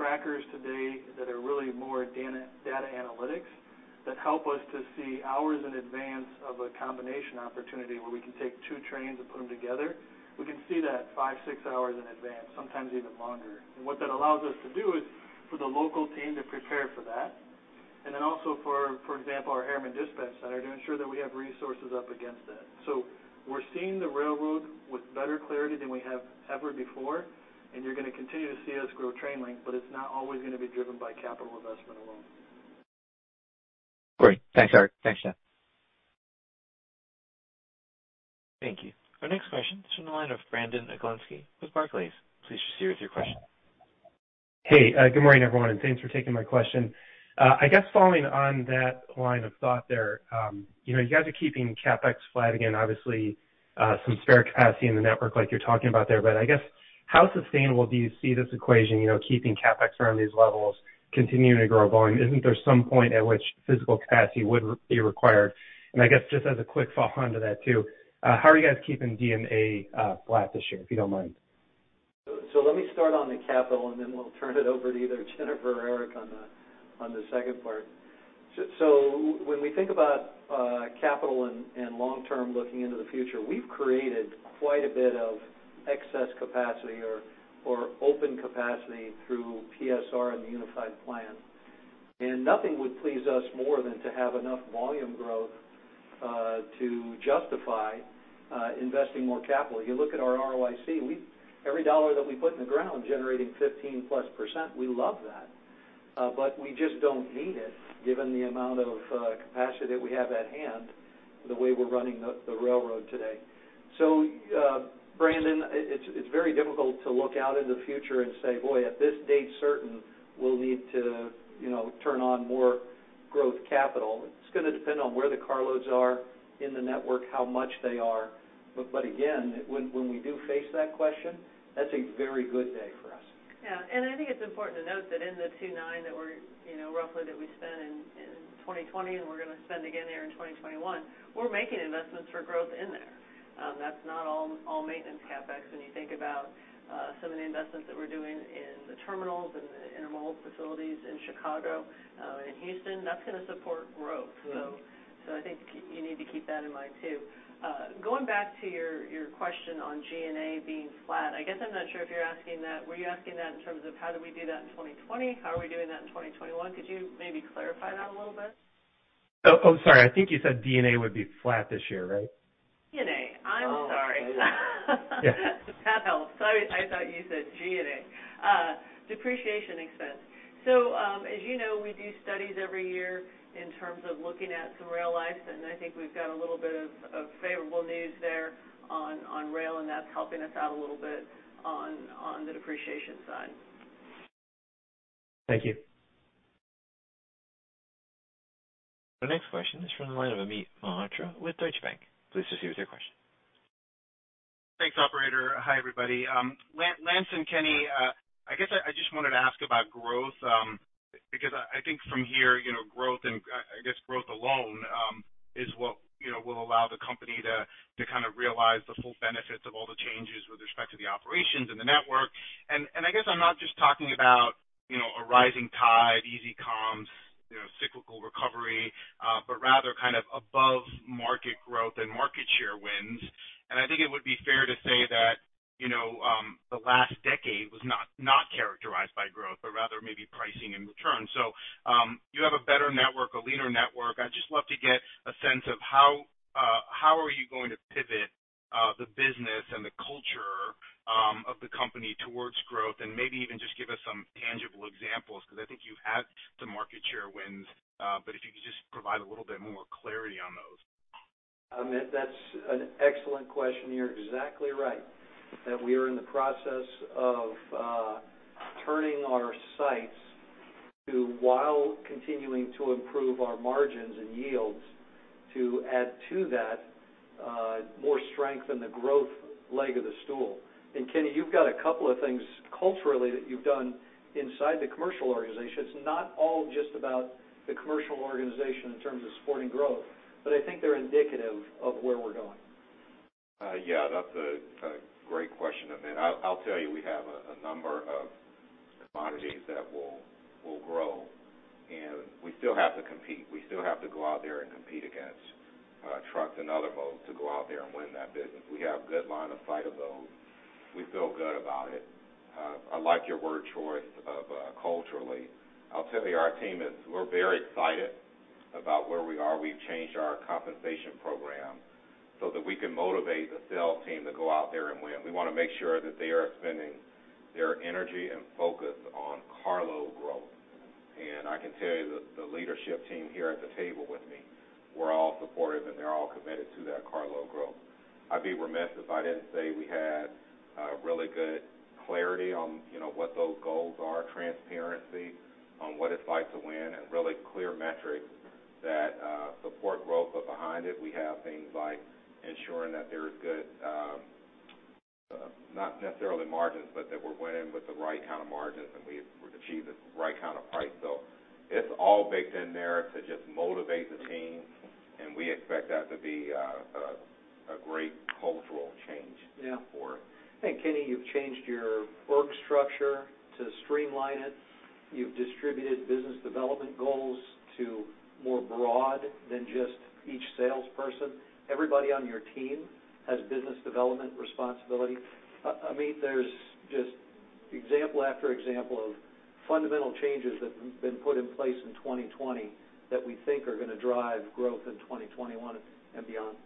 trackers today that are really more data analytics that help us to see hours in advance of a combination opportunity where we can take two trains and put them together. We can see that five, six hours in advance, sometimes even longer. What that allows us to do is for the local team to prepare for that, then also, for example, our Harriman Dispatch Center, to ensure that we have resources up against that. We're seeing the railroad with better clarity than we have ever before, you're going to continue to see us grow train length, it's not always going to be driven by capital investment alone. Great. Thanks, Eric. Thanks, Jen. Thank you. Our next question is from the line of Brandon Oglenski with Barclays. Please proceed with your question. Hey, good morning, everyone, and thanks for taking my question. I guess following on that line of thought there, you guys are keeping CapEx flat, again, obviously, some spare capacity in the network like you're talking about there, but I guess, how sustainable do you see this equation, keeping CapEx around these levels, continuing to grow volume? Isn't there some point at which physical capacity would be required? I guess just as a quick follow-on to that, too, how are you guys keeping D&A flat this year, if you don't mind? Let me start on the capital, and then we'll turn it over to either Jennifer or Eric on the second part. When we think about capital and long-term looking into the future, we've created quite a bit of excess capacity or open capacity through PSR and the Unified Plan. Nothing would please us more than to have enough volume growth, to justify investing more capital. You look at our ROIC, every dollar that we put in the ground generating 15%+, we love that, but we just don't need it given the amount of capacity that we have at hand the way we're running the railroad today. Brandon, it's very difficult to look out in the future and say, boy, at this date certain, we'll need to turn on more growth capital. It's going to depend on where the car loads are in the network, how much they are. Again, when we do face that question, that's a very good day for us. Yeah. I think it's important to note that in the 2.9 that roughly that we spent in 2020 and we're going to spend again there in 2021, we're making investments for growth in there. That's not all maintenance CapEx when you think about some of the investments that we're doing in the terminals and intermodal facilities in Chicago, in Houston, that's going to support growth. I think you need to keep that in mind, too. Going back to your question on G&A being flat, I guess I'm not sure if you're asking that, were you asking that in terms of how do we do that in 2020? How are we doing that in 2021? Could you maybe clarify that a little bit? Oh, sorry. I think you said D&A would be flat this year, right? D&A. I'm sorry. Yeah. That helps. Sorry, I thought you said G&A. Depreciation expense. As you know, we do studies every year in terms of looking at some rail life, and I think we've got a little bit of favorable news there on rail, and that's helping us out a little bit on the depreciation side. Thank you. The next question is from the line of Amit Mehrotra with Deutsche Bank. Please proceed with your question. Thanks, operator. Hi, everybody. Lance and Kenny, I guess I just wanted to ask about growth, because I think from here, growth, and I guess growth alone, is what will allow the company to realize the full benefits of all the changes with respect to the operations and the network. I guess I'm not just talking about a rising tide, easy comps, cyclical recovery, but rather above-market growth and market share wins. I think it would be fair to say that the last decade was not characterized by growth, but rather maybe pricing and return. You have a better network, a leaner network. I'd just love to get a sense of how are you going to pivot the business and the culture of the company towards growth, and maybe even just give us some tangible examples, because I think you have the market share wins, but if you could just provide a little bit more clarity on those. Amit, that's an excellent question, and you're exactly right, that we are in the process of turning our sights to, while continuing to improve our margins and yields, to add to that more strength in the growth leg of the stool. Kenny, you've got a couple of things culturally that you've done inside the commercial organization. It's not all just about the commercial organization in terms of supporting growth, but I think they're indicative of where we're going. Yeah. That's a great question, Amit. I'll tell you, we have a number of commodities that will grow, and we still have to compete. We still have to go out there and compete against trucks and other modes to go out there and win that business. We have good line of sight of those. We feel good about it. I like your word choice of culturally. I'll tell you, we're very excited about where we are. We've changed our compensation program so that we can motivate the sales team to go out there and win. We want to make sure that they are spending their energy and focus on carload growth. I can tell you that the leadership team here at the table with me, we're all supportive, and they're all committed to that carload growth. I'd be remiss if I didn't say we had really good clarity on what those goals are, transparency on what it's like to win, and really clear metrics that support growth. Behind it, we have things like ensuring that there is good, not necessarily margins, but that we're winning with the right kind of margins, and we achieve the right kind of price. It's all baked in there to just motivate the team, and we expect that to be a great cultural change- Yeah. for it. Kenny, you've changed your work structure to streamline it. You've distributed business development goals to more broad than just each salesperson. Everybody on your team has business development responsibility. Amit, there's just example after example of fundamental changes that have been put in place in 2020 that we think are going to drive growth in 2021 and beyond.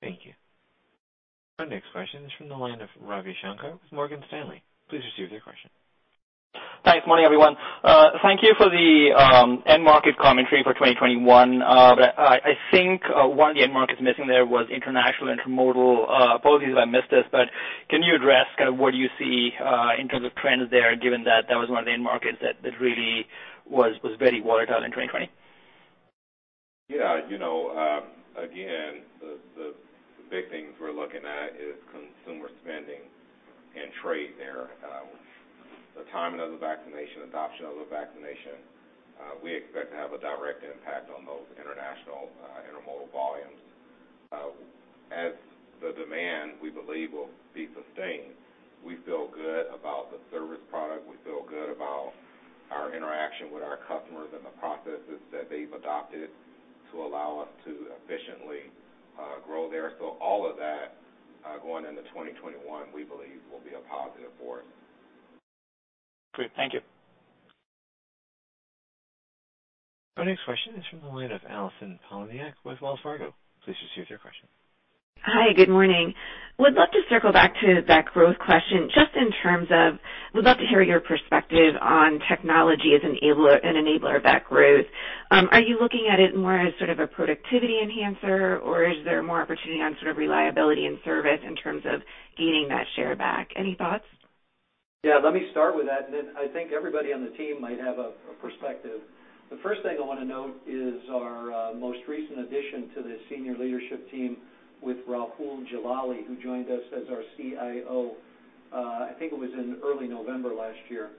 Thank you. Our next question is from the line of Ravi Shanker with Morgan Stanley. Please proceed with your question. Thanks. Morning, everyone. Thank you for the end market commentary for 2021. I think one of the end markets missing there was international intermodal. Apologies if I missed this, can you address what you see in terms of trends there, given that that was one of the end markets that really was very watertight in 2020? Yeah. Again, the big things we're looking at is consumer spending and trade there. The timing of the vaccination, adoption of the vaccination, we expect to have a direct impact on those international intermodal volumes. As the demand, we believe, will be sustained, we feel good about the service product. We feel good about our interaction with our customers and the processes that they've adopted to allow us to efficiently grow there. All of that going into 2021, we believe, will be a positive for it. Great. Thank you. Our next question is from the line of Allison Poliniak with Wells Fargo. Please proceed with your question. Hi, good morning. Would love to circle back to that growth question, just in terms of, would love to hear your perspective on technology as an enabler of that growth. Are you looking at it more as sort of a productivity enhancer, or is there more opportunity on sort of reliability and service in terms of gaining that share back? Any thoughts? Yeah, let me start with that. Then I think everybody on the team might have a perspective. The first thing I want to note is our most recent addition to the senior leadership team with Rahul Jalali, who joined us as our CIO, I think it was in early November last year.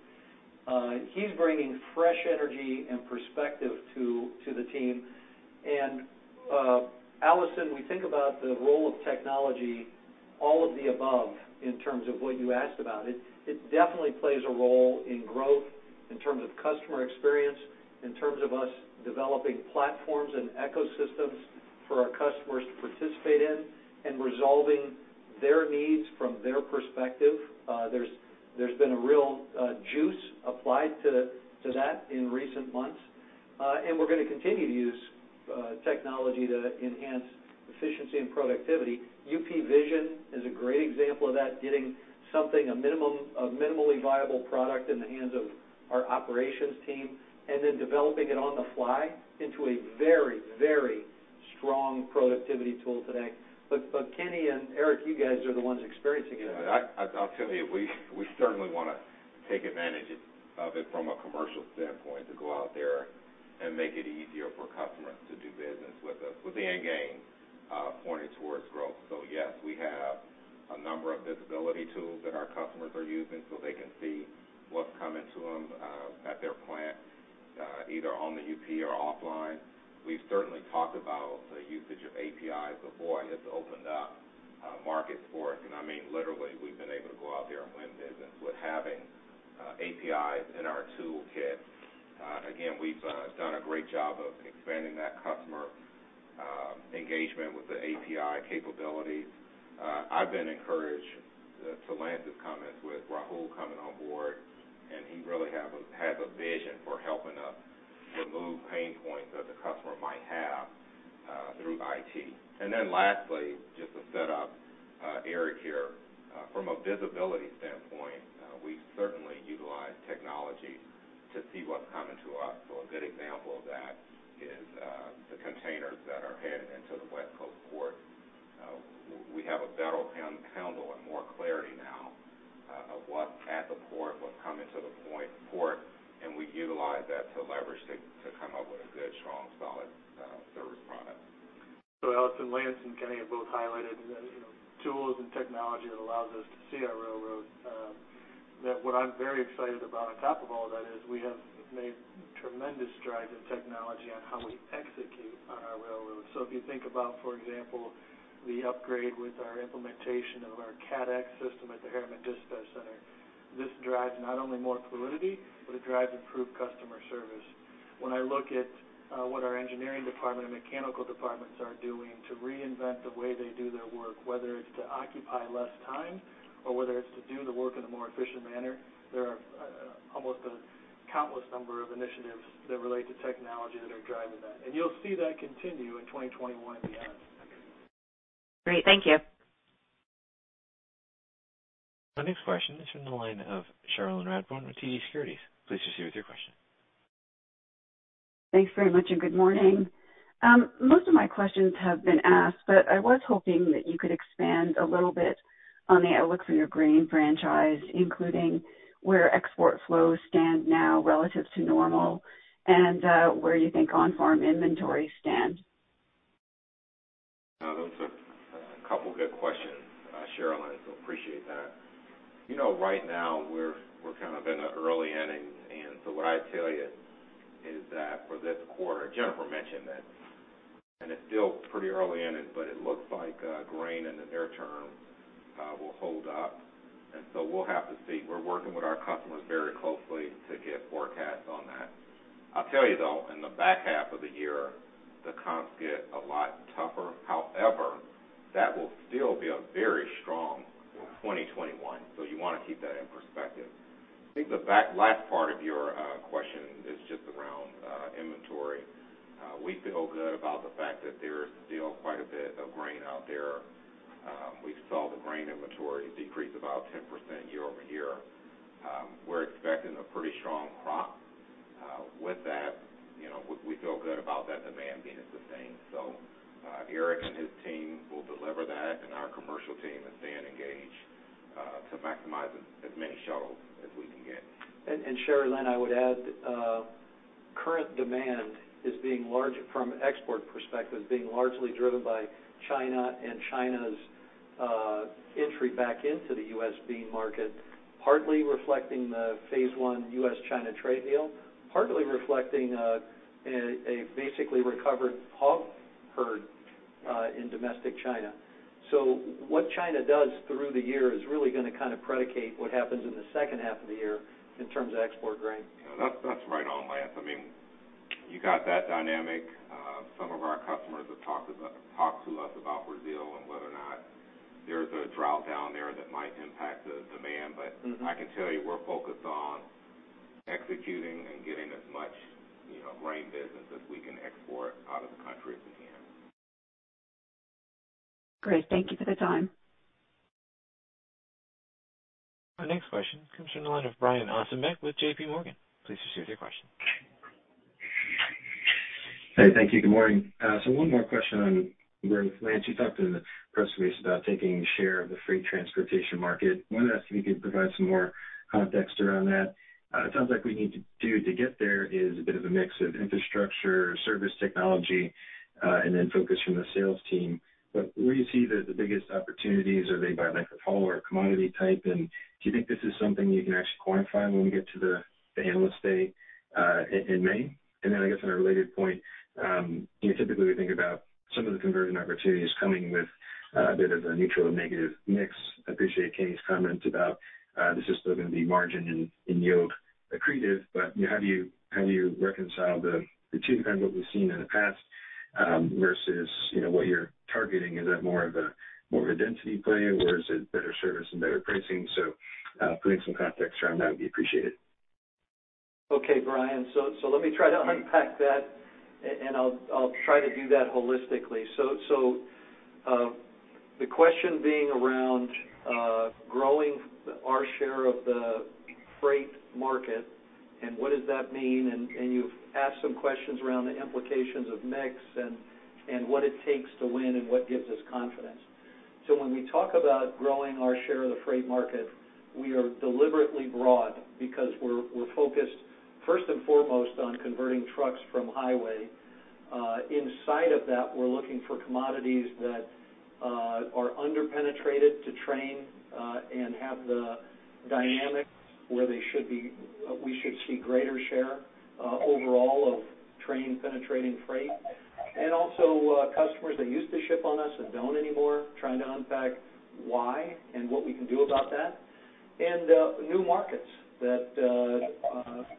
He's bringing fresh energy and perspective to the team. Allison, we think about the role of technology, all of the above in terms of what you asked about it. It definitely plays a role in growth in terms of customer experience, in terms of us developing platforms and ecosystems for our customers to participate in, and resolving their needs from their perspective. There's been a real juice applied to that in recent months. We're going to continue to use technology to enhance efficiency and productivity. UP Vision is a great example of that, getting something, a minimally viable product in the hands of our operations team, and then developing it on the fly into a very, very strong productivity tool today. Kenny and Eric, you guys are the ones experiencing it. I'll tell you, we certainly want to take advantage of it from a commercial standpoint to go out there and make it easier for customers to do business with us, with the end game pointed towards growth. Yes, we have a number of visibility tools that our customers are using so they can see what's coming to them at their plant, either on the UP or offline. We've certainly talked about the usage of APIs before, it's opened up markets for us. I mean, literally, we've been able to go out there and win business with having APIs in our toolkit. Again, we've done a great job of expanding that customer engagement with the API capabilities. I've been encouraged to Lance's comments with Rahul coming on board, he really has a vision for helping us remove pain points that the customer might have through IT. Lastly, just to set up Eric here, from a visibility standpoint, we certainly utilize technology to see what's coming to us. A good example of that is the containers that are headed into the West Coast port. We have a better handle and more clarity now of what's at the port, what's coming to the port, and we utilize that to leverage to come up with a good, strong, solid service product. Allison, Lance and Kenny have both highlighted the tools and technology that allows us to see our railroads. That what I'm very excited about on top of all that is we have made tremendous strides in technology on how we execute on our railroads. If you think about, for example, the upgrade with our implementation of our CADX system at the Harriman Dispatch Center, this drives not only more fluidity, but it drives improved customer service. When I look at what our engineering department and mechanical departments are doing to reinvent the way they do their work, whether it's to occupy less time or whether it's to do the work in a more efficient manner, there are almost a countless number of initiatives that relate to technology that are driving that, and you'll see that continue in 2021 and beyond. Great. Thank you. Our next question is from the line of Cherilyn Radbourne with TD Securities. Please proceed with your question. Thanks very much. Good morning. Most of my questions have been asked, but I was hoping that you could expand a little bit on the outlook for your grain franchise, including where export flows stand now relative to normal and where you think on-farm inventory stands. Those are a couple good questions, Cherilyn. Appreciate that. Right now we're kind of in the early innings. What I'd tell you is that for this quarter, Jennifer mentioned that. It's still pretty early inning, it looks like grain in the near term will hold up. We'll have to see. We're working with our customers very closely to get forecasts on that. I'll tell you, though, in the back half of the year, the comps get a lot tougher. However, that will still be a very strong 2021. You want to keep that in perspective. I think the last part of your question is just around inventory. We feel good about the fact that there is still quite a bit of grain out there. We saw the grain inventory decrease about 10% year-over-year. We're expecting a pretty strong crop. With that, we feel good about that demand being sustained. Eric and his team will deliver that, and our commercial team is staying engaged to maximize as many shuttles as we can get. Cherilyn, I would add, current demand from export perspective, is being largely driven by China and China's entry back into the U.S. bean market, partly reflecting the Phase One U.S.-China Trade Deal, partly reflecting a basically recovered hog herd in domestic China. What China does through the year is really going to kind of predicate what happens in the second half of the year in terms of export grain. Yeah. That's right on, Lance. I mean, you got that dynamic. Some of our customers have talked to us about Brazil and whether or not there's a drought down there that might impact the demand. I can tell you, we're focused on executing and getting as much grain business as we can export out of the country as we can. Great. Thank you for the time. Our next question comes from the line of Brian Ossenbeck with JPMorgan. Please proceed with your question. Hey, thank you. Good morning. One more question on growth. Lance, you talked in the press release about taking share of the freight transportation market. I wanted to ask if you could provide some more context around that. It sounds like what you need to do to get there is a bit of a mix of infrastructure, service technology, and then focus from the sales team. Where do you see the biggest opportunities? Are they by length of haul or commodity type? Do you think this is something you can actually quantify when we get to the analyst day in May? I guess on a related point, typically we think about some of the conversion opportunities coming with a bit of a neutral or negative mix. Appreciate Kenny's comments about this is still going to be margin and yield accretive, but how do you reconcile the two, kind of what we've seen in the past versus what you're targeting? Is that more of a density play, or is it better service and better pricing? Putting some context around that would be appreciated. Okay, Brian, let me try to unpack that. I'll try to do that holistically. The question being around growing our share of the freight market and what does that mean? You've asked some questions around the implications of mix and what it takes to win and what gives us confidence. When we talk about growing our share of the freight market, we are deliberately broad because we're focused first and foremost on converting trucks from highway. Inside of that, we're looking for commodities that are under-penetrated to train and have the dynamics where we should see greater share overall of train penetrating freight. Also customers that used to ship on us and don't anymore, trying to unpack why and what we can do about that. New markets that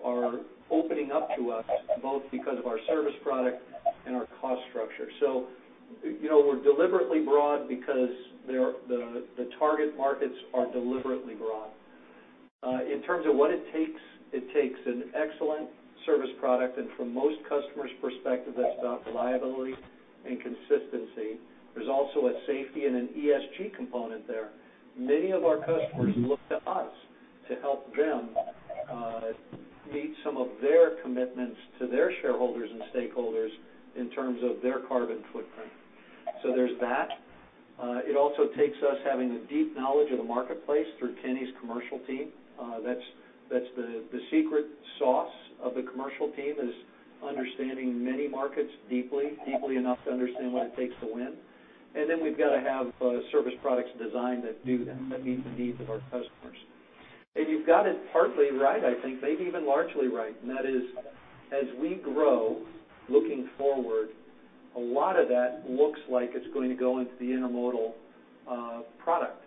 are opening up to us, both because of our service product and our cost structure. We're deliberately broad because the target markets are deliberately broad. In terms of what it takes, it takes an excellent service product, and from most customers' perspective, that's about reliability and consistency. There's also a safety and an ESG component there. Many of our customers look to us to help them meet some of their commitments to their shareholders and stakeholders in terms of their carbon footprint. There's that. It also takes us having a deep knowledge of the marketplace through Kenny's commercial team. That's the secret sauce of the commercial team is understanding many markets deeply enough to understand what it takes to win. We've got to have service products designed that do that meet the needs of our customers. You've got it partly right, I think, maybe even largely right, and that is, as we grow, looking forward, a lot of that looks like it's going to go into the intermodal product.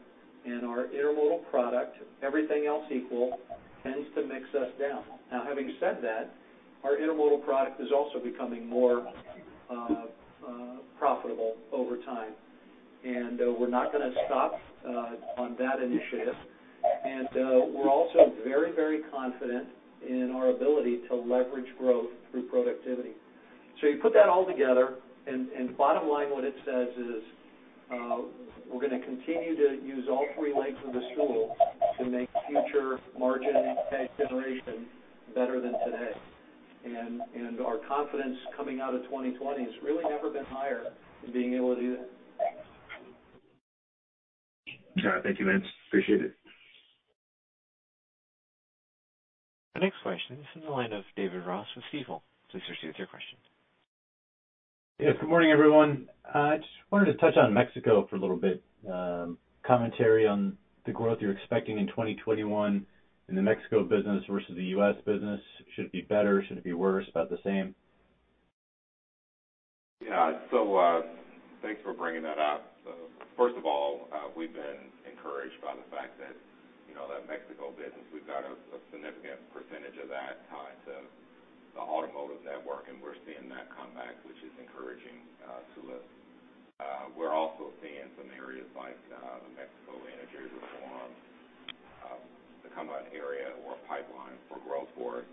Our intermodal product, everything else equal, tends to mix us down. Now, having said that, our intermodal product is also becoming more profitable over time, and we're not going to stop on that initiative. We're also very confident in our ability to leverage growth through productivity. You put that all together, and bottom line, what it says is, we're going to continue to use all three legs of the stool to make future margin and cash generation better than today. Our confidence coming out of 2020 has really never been higher in being able to do that. Got it. Thank you, Lance. Appreciate it. Our next question is in the line of David Ross with Stifel. Please proceed with your question. Yeah, good morning, everyone. Just wanted to touch on Mexico for a little bit. Commentary on the growth you're expecting in 2021 in the Mexico business versus the U.S. business. Should it be better, should it be worse, about the same? Yeah. Thanks for bringing that up. First of all, we've been encouraged by the fact that Mexico business, we've got a significant percentage of that tied to the automotive network, and we're seeing that come back, which is encouraging to us. We're also seeing some areas like the Mexico energy reform become an area or a pipeline for growth for us.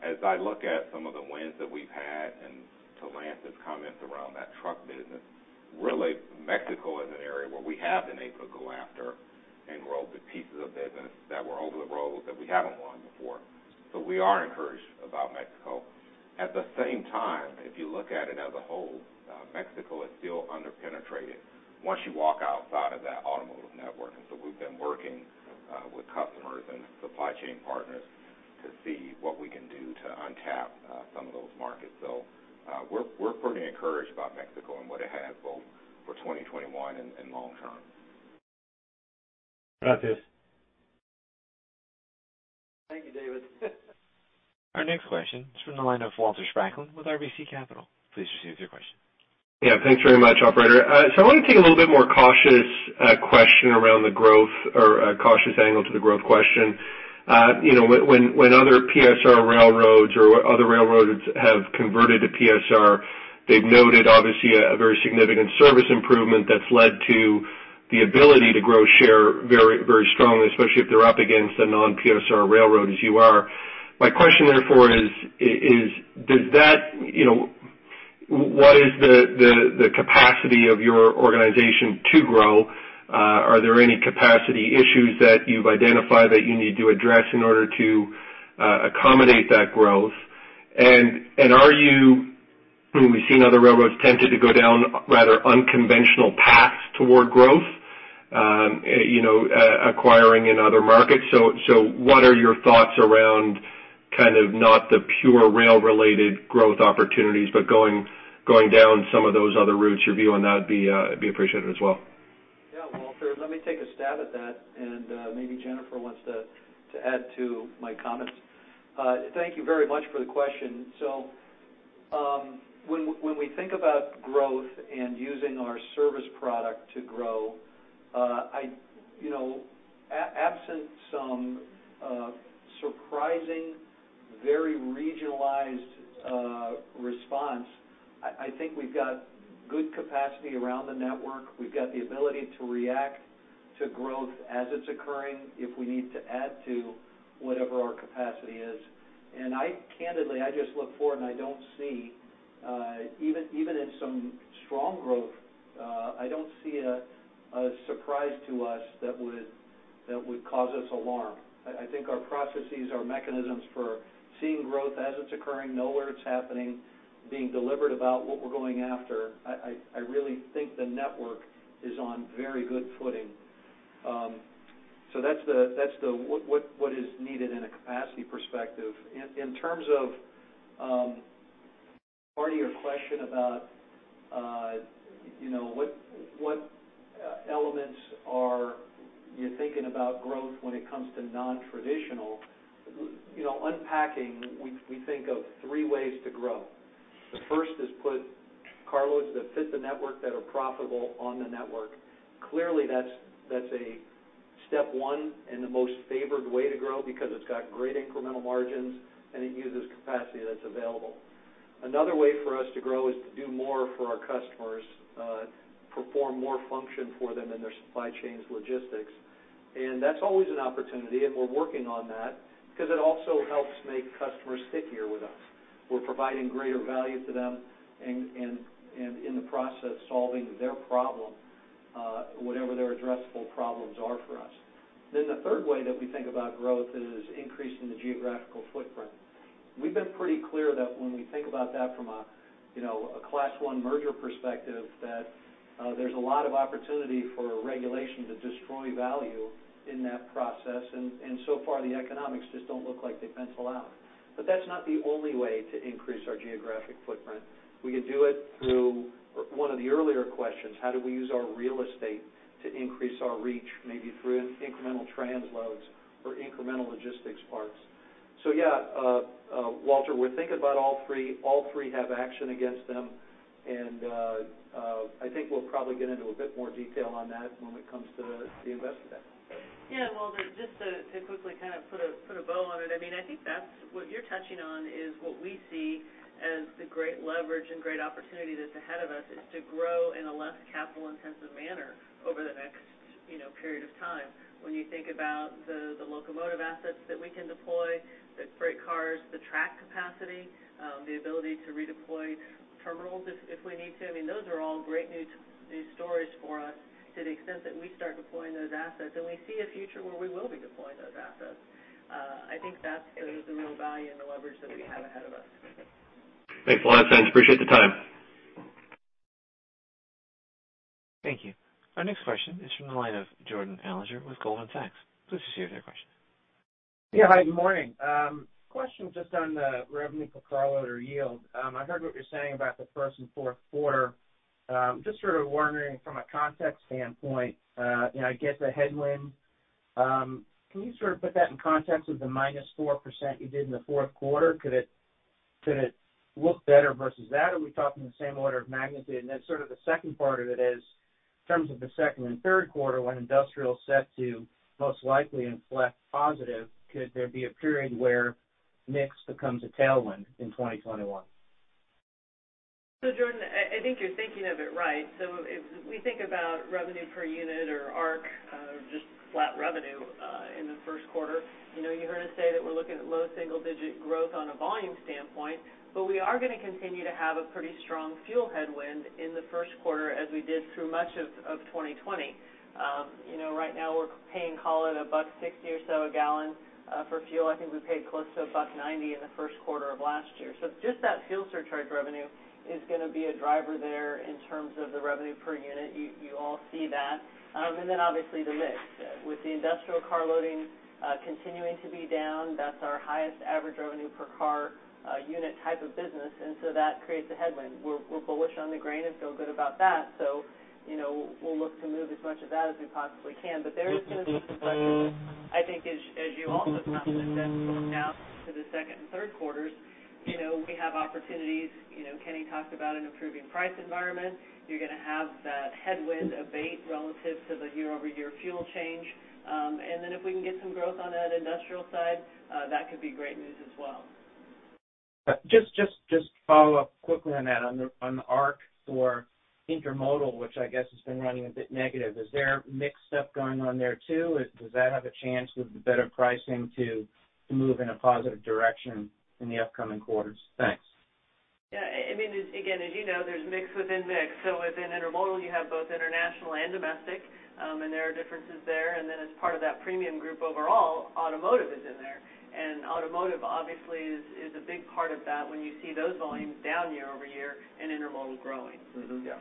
As I look at some of the wins that we've had and to Lance's comments around that truck business, really, Mexico is an area where we have been able to go after and grow the pieces of business that were over the road that we haven't won before. We are encouraged about Mexico. At the same time, if you look at it as a whole, Mexico is still under-penetrated once you walk outside of that automotive network. We've been working with customers and supply chain partners to see what we can do to untap some of those markets. We're pretty encouraged about Mexico and what it has, both for 2021 and long term. Gracias. Thank you, David. Our next question is from the line of Walter Spracklin with RBC Capital. Please proceed with your question. Yeah. Thanks very much, operator. I want to take a little bit more cautious question around the growth or a cautious angle to the growth question. When other PSR railroads or other railroads have converted to PSR, they've noted, obviously, a very significant service improvement that's led to the ability to grow share very strongly, especially if they're up against a non-PSR railroad, as you are. My question, therefore, is what is the capacity of your organization to grow? Are there any capacity issues that you've identified that you need to address in order to accommodate that growth? We've seen other railroads tempted to go down rather unconventional paths toward growth, acquiring in other markets. What are your thoughts around kind of not the pure rail related growth opportunities, but going down some of those other routes? Your view on that'd be appreciated as well. Walter, let me take a stab at that, and maybe Jennifer wants to add to my comments. Thank you very much for the question. When we think about growth and using our service product to grow, absent some surprising, very regionalized response, I think we've got good capacity around the network. We've got the ability to react to growth as it's occurring, if we need to add to whatever our capacity is. Candidly, I just look forward, and I don't see, even in some strong growth, I don't see a surprise to us that would cause us alarm. I think our processes are mechanisms for seeing growth as it's occurring, know where it's happening, being deliberate about what we're going after. I really think the network is on very good footing. That's what is needed in a capacity perspective. In terms of part of your question about what elements are you thinking about growth when it comes to non-traditional. Union Pacific, we think of three ways to grow. The first is put carloads that fit the network that are profitable on the network. Clearly, that's a step one and the most favored way to grow because it's got great incremental margins and it uses capacity that's available. Another way for us to grow is to do more for our customers, perform more function for them in their supply chain logistics. That's always an opportunity, and we're working on that because it also helps make customers stickier with us. We're providing greater value to them and in the process, solving their problem, whatever their addressable problems are for us. The third way that we think about growth is increasing the geographical footprint. We've been pretty clear that when we think about that from a Class I merger perspective, that there's a lot of opportunity for regulation to destroy value in that process, and so far, the economics just don't look like they pencil out. That's not the only way to increase our geographic footprint. We could do it through one of the earlier questions, how do we use our real estate to increase our reach, maybe through incremental transloads or incremental logistics parks. Yeah, Walter, we're thinking about all three. All three have action against them, and I think we'll probably get into a bit more detail on that when it comes to the Investor Day. Yeah, Walter, just to quickly kind of put a bow on it. I think what you're touching on is what we see as the great leverage and great opportunity that's ahead of us, is to grow in a less capital intensive manner over the next period of time. When you think about the locomotive assets that we can deploy, the freight cars, the track capacity, the ability to redeploy terminals if we need to, those are all great new stories for us to the extent that we start deploying those assets. We see a future where we will be deploying those assets. I think that's the real value and the leverage that we have ahead of us. Thanks a lot, Lance. Appreciate the time. Thank you. Our next question is from the line of Jordan Alliger with Goldman Sachs. Please proceed with your question. Yeah, hi, good morning. Question just on the revenue per carload or yield. I heard what you're saying about the first and fourth quarter. Just sort of wondering from a context standpoint, I guess a headwind, can you sort of put that in context with the -4% you did in the fourth quarter? Could it look better versus that? Are we talking the same order of magnitude? Sort of the second part of it is, in terms of the second and third quarter, when industrial is set to most likely inflect positive, could there be a period where mix becomes a tailwind in 2021? Jordan, I think you're thinking of it right. If we think about revenue per unit or ARC, just flat revenue, in the first quarter. You heard us say that we're looking at low single digit growth on a volume standpoint, but we are going to continue to have a pretty strong fuel headwind in the first quarter as we did through much of 2020. Right now, we're paying, call it, $1.60 or so a gallon for fuel. I think we paid close to $1.90 in the first quarter of last year. Just that fuel surcharge revenue is going to be a driver there in terms of the revenue per unit. You all see that. Obviously the mix. With the industrial car loading continuing to be down, that's our highest average revenue per car unit type of business, that creates a headwind. We're bullish on the grain and feel good about that. We'll look to move as much of that as we possibly can. There is going to be some pressure there. I think as you also found going out into the second and third quarters, we have opportunities. Kenny talked about an improving price environment. You're going to have that headwind abate relative to the year-over-year fuel change. If we can get some growth on that industrial side, that could be great news as well. Just follow up quickly on that. On the ARC for intermodal, which I guess has been running a bit negative, is there mix stuff going on there too? Does that have a chance with the better pricing to move in a positive direction in the upcoming quarters? Thanks. Yeah. Again, as you know, there's mix within mix. Within intermodal, you have both international and domestic, and there are differences there. As part of that premium group overall, automotive is in there. Automotive obviously is a big part of that when you see those volumes down year-over-year and intermodal growing. Yeah.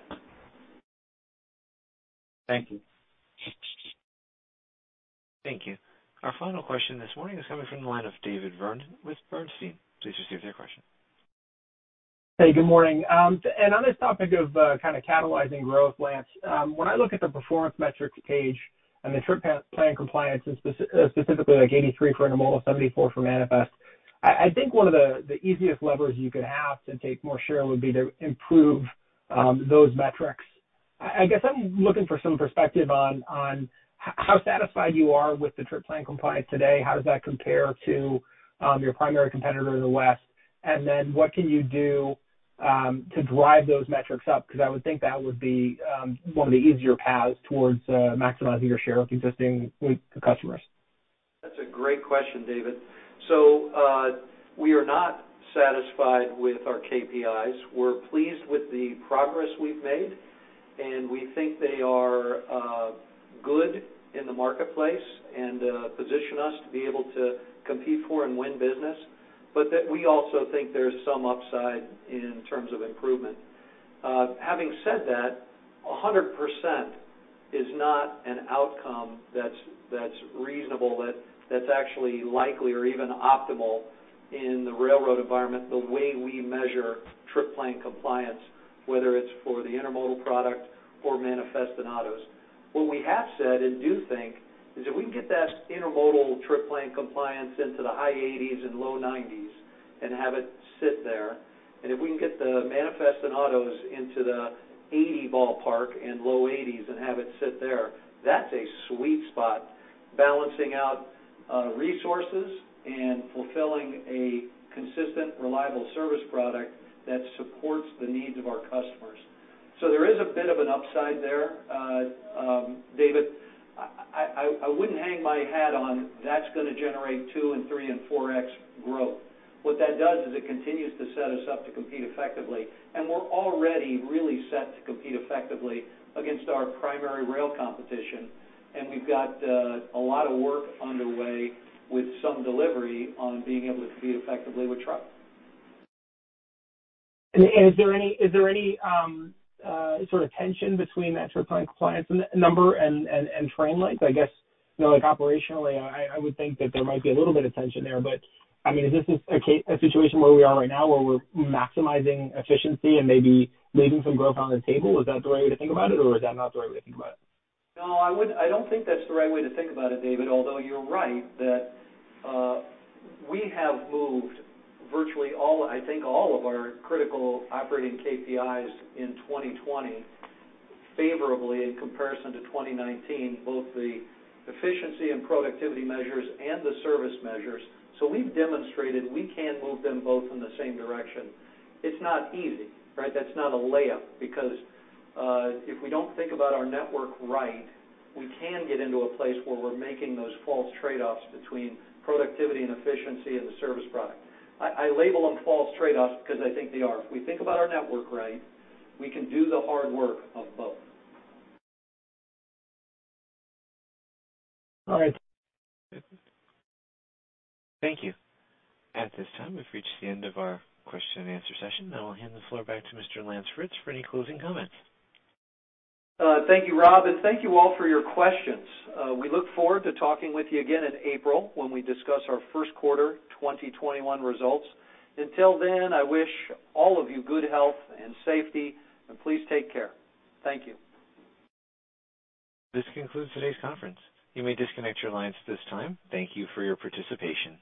Thank you. Thank you. Our final question this morning is coming from the line of David Vernon with Bernstein. Please proceed with your question. Hey, good morning. On this topic of kind of catalyzing growth, Lance, when I look at the performance metrics page and the trip plan compliance, and specifically like 83 for intermodal, 74 for manifest, I think one of the easiest levers you could have to take more share would be to improve those metrics. I guess I'm looking for some perspective on how satisfied you are with the trip plan compliance today. How does that compare to your primary competitor in the West? What can you do to drive those metrics up? Because I would think that would be one of the easier paths towards maximizing your share with existing customers. That's a great question, David. We are not satisfied with our KPIs. We're pleased with the progress we've made, and we think they are good in the marketplace and position us to be able to compete for and win business, but that we also think there's some upside in terms of improvement. Having said that, 100% is not an outcome that's reasonable, that's actually likely or even optimal in the railroad environment, the way we measure trip plan compliance, whether it's for the intermodal product or manifest and autos. What we have said and do think is if we can get that intermodal trip plan compliance into the high 80s and low-90s and have it sit there, and if we can get the manifest and autos into the 80 ballpark and low 80s and have it sit there, that's a sweet spot, balancing out resources and fulfilling a consistent, reliable service product that supports the needs of our customers. There is a bit of an upside there, David. I wouldn't hang my hat on that's going to generate 2x and 3x and 4x growth. What that does is it continues to set us up to compete effectively, and we're already really set to compete effectively against our primary rail competition, and we've got a lot of work underway with some delivery on being able to compete effectively with truck. Is there any sort of tension between that trip time compliance number and train length? I guess, operationally, I would think that there might be a little bit of tension there. Is this a situation where we are right now where we're maximizing efficiency and maybe leaving some growth on the table? Is that the right way to think about it, or is that not the right way to think about it? I don't think that's the right way to think about it, David, although you're right that we have moved virtually all, I think, all of our critical operating KPIs in 2020 favorably in comparison to 2019, both the efficiency and productivity measures and the service measures. We've demonstrated we can move them both in the same direction. It's not easy, right? That's not a layup, because if we don't think about our network right, we can get into a place where we're making those false trade-offs between productivity and efficiency and the service product. I label them false trade-offs because I think they are. If we think about our network right, we can do the hard work of both. All right. Thank you. At this time, we've reached the end of our question and answer session. Now I'll hand the floor back to Mr. Lance Fritz for any closing comments. Thank you, Rob, and thank you all for your questions. We look forward to talking with you again in April when we discuss our first quarter 2021 results. Until then, I wish all of you good health and safety, and please take care. Thank you. This concludes today's conference. You may disconnect your lines at this time. Thank you for your participation.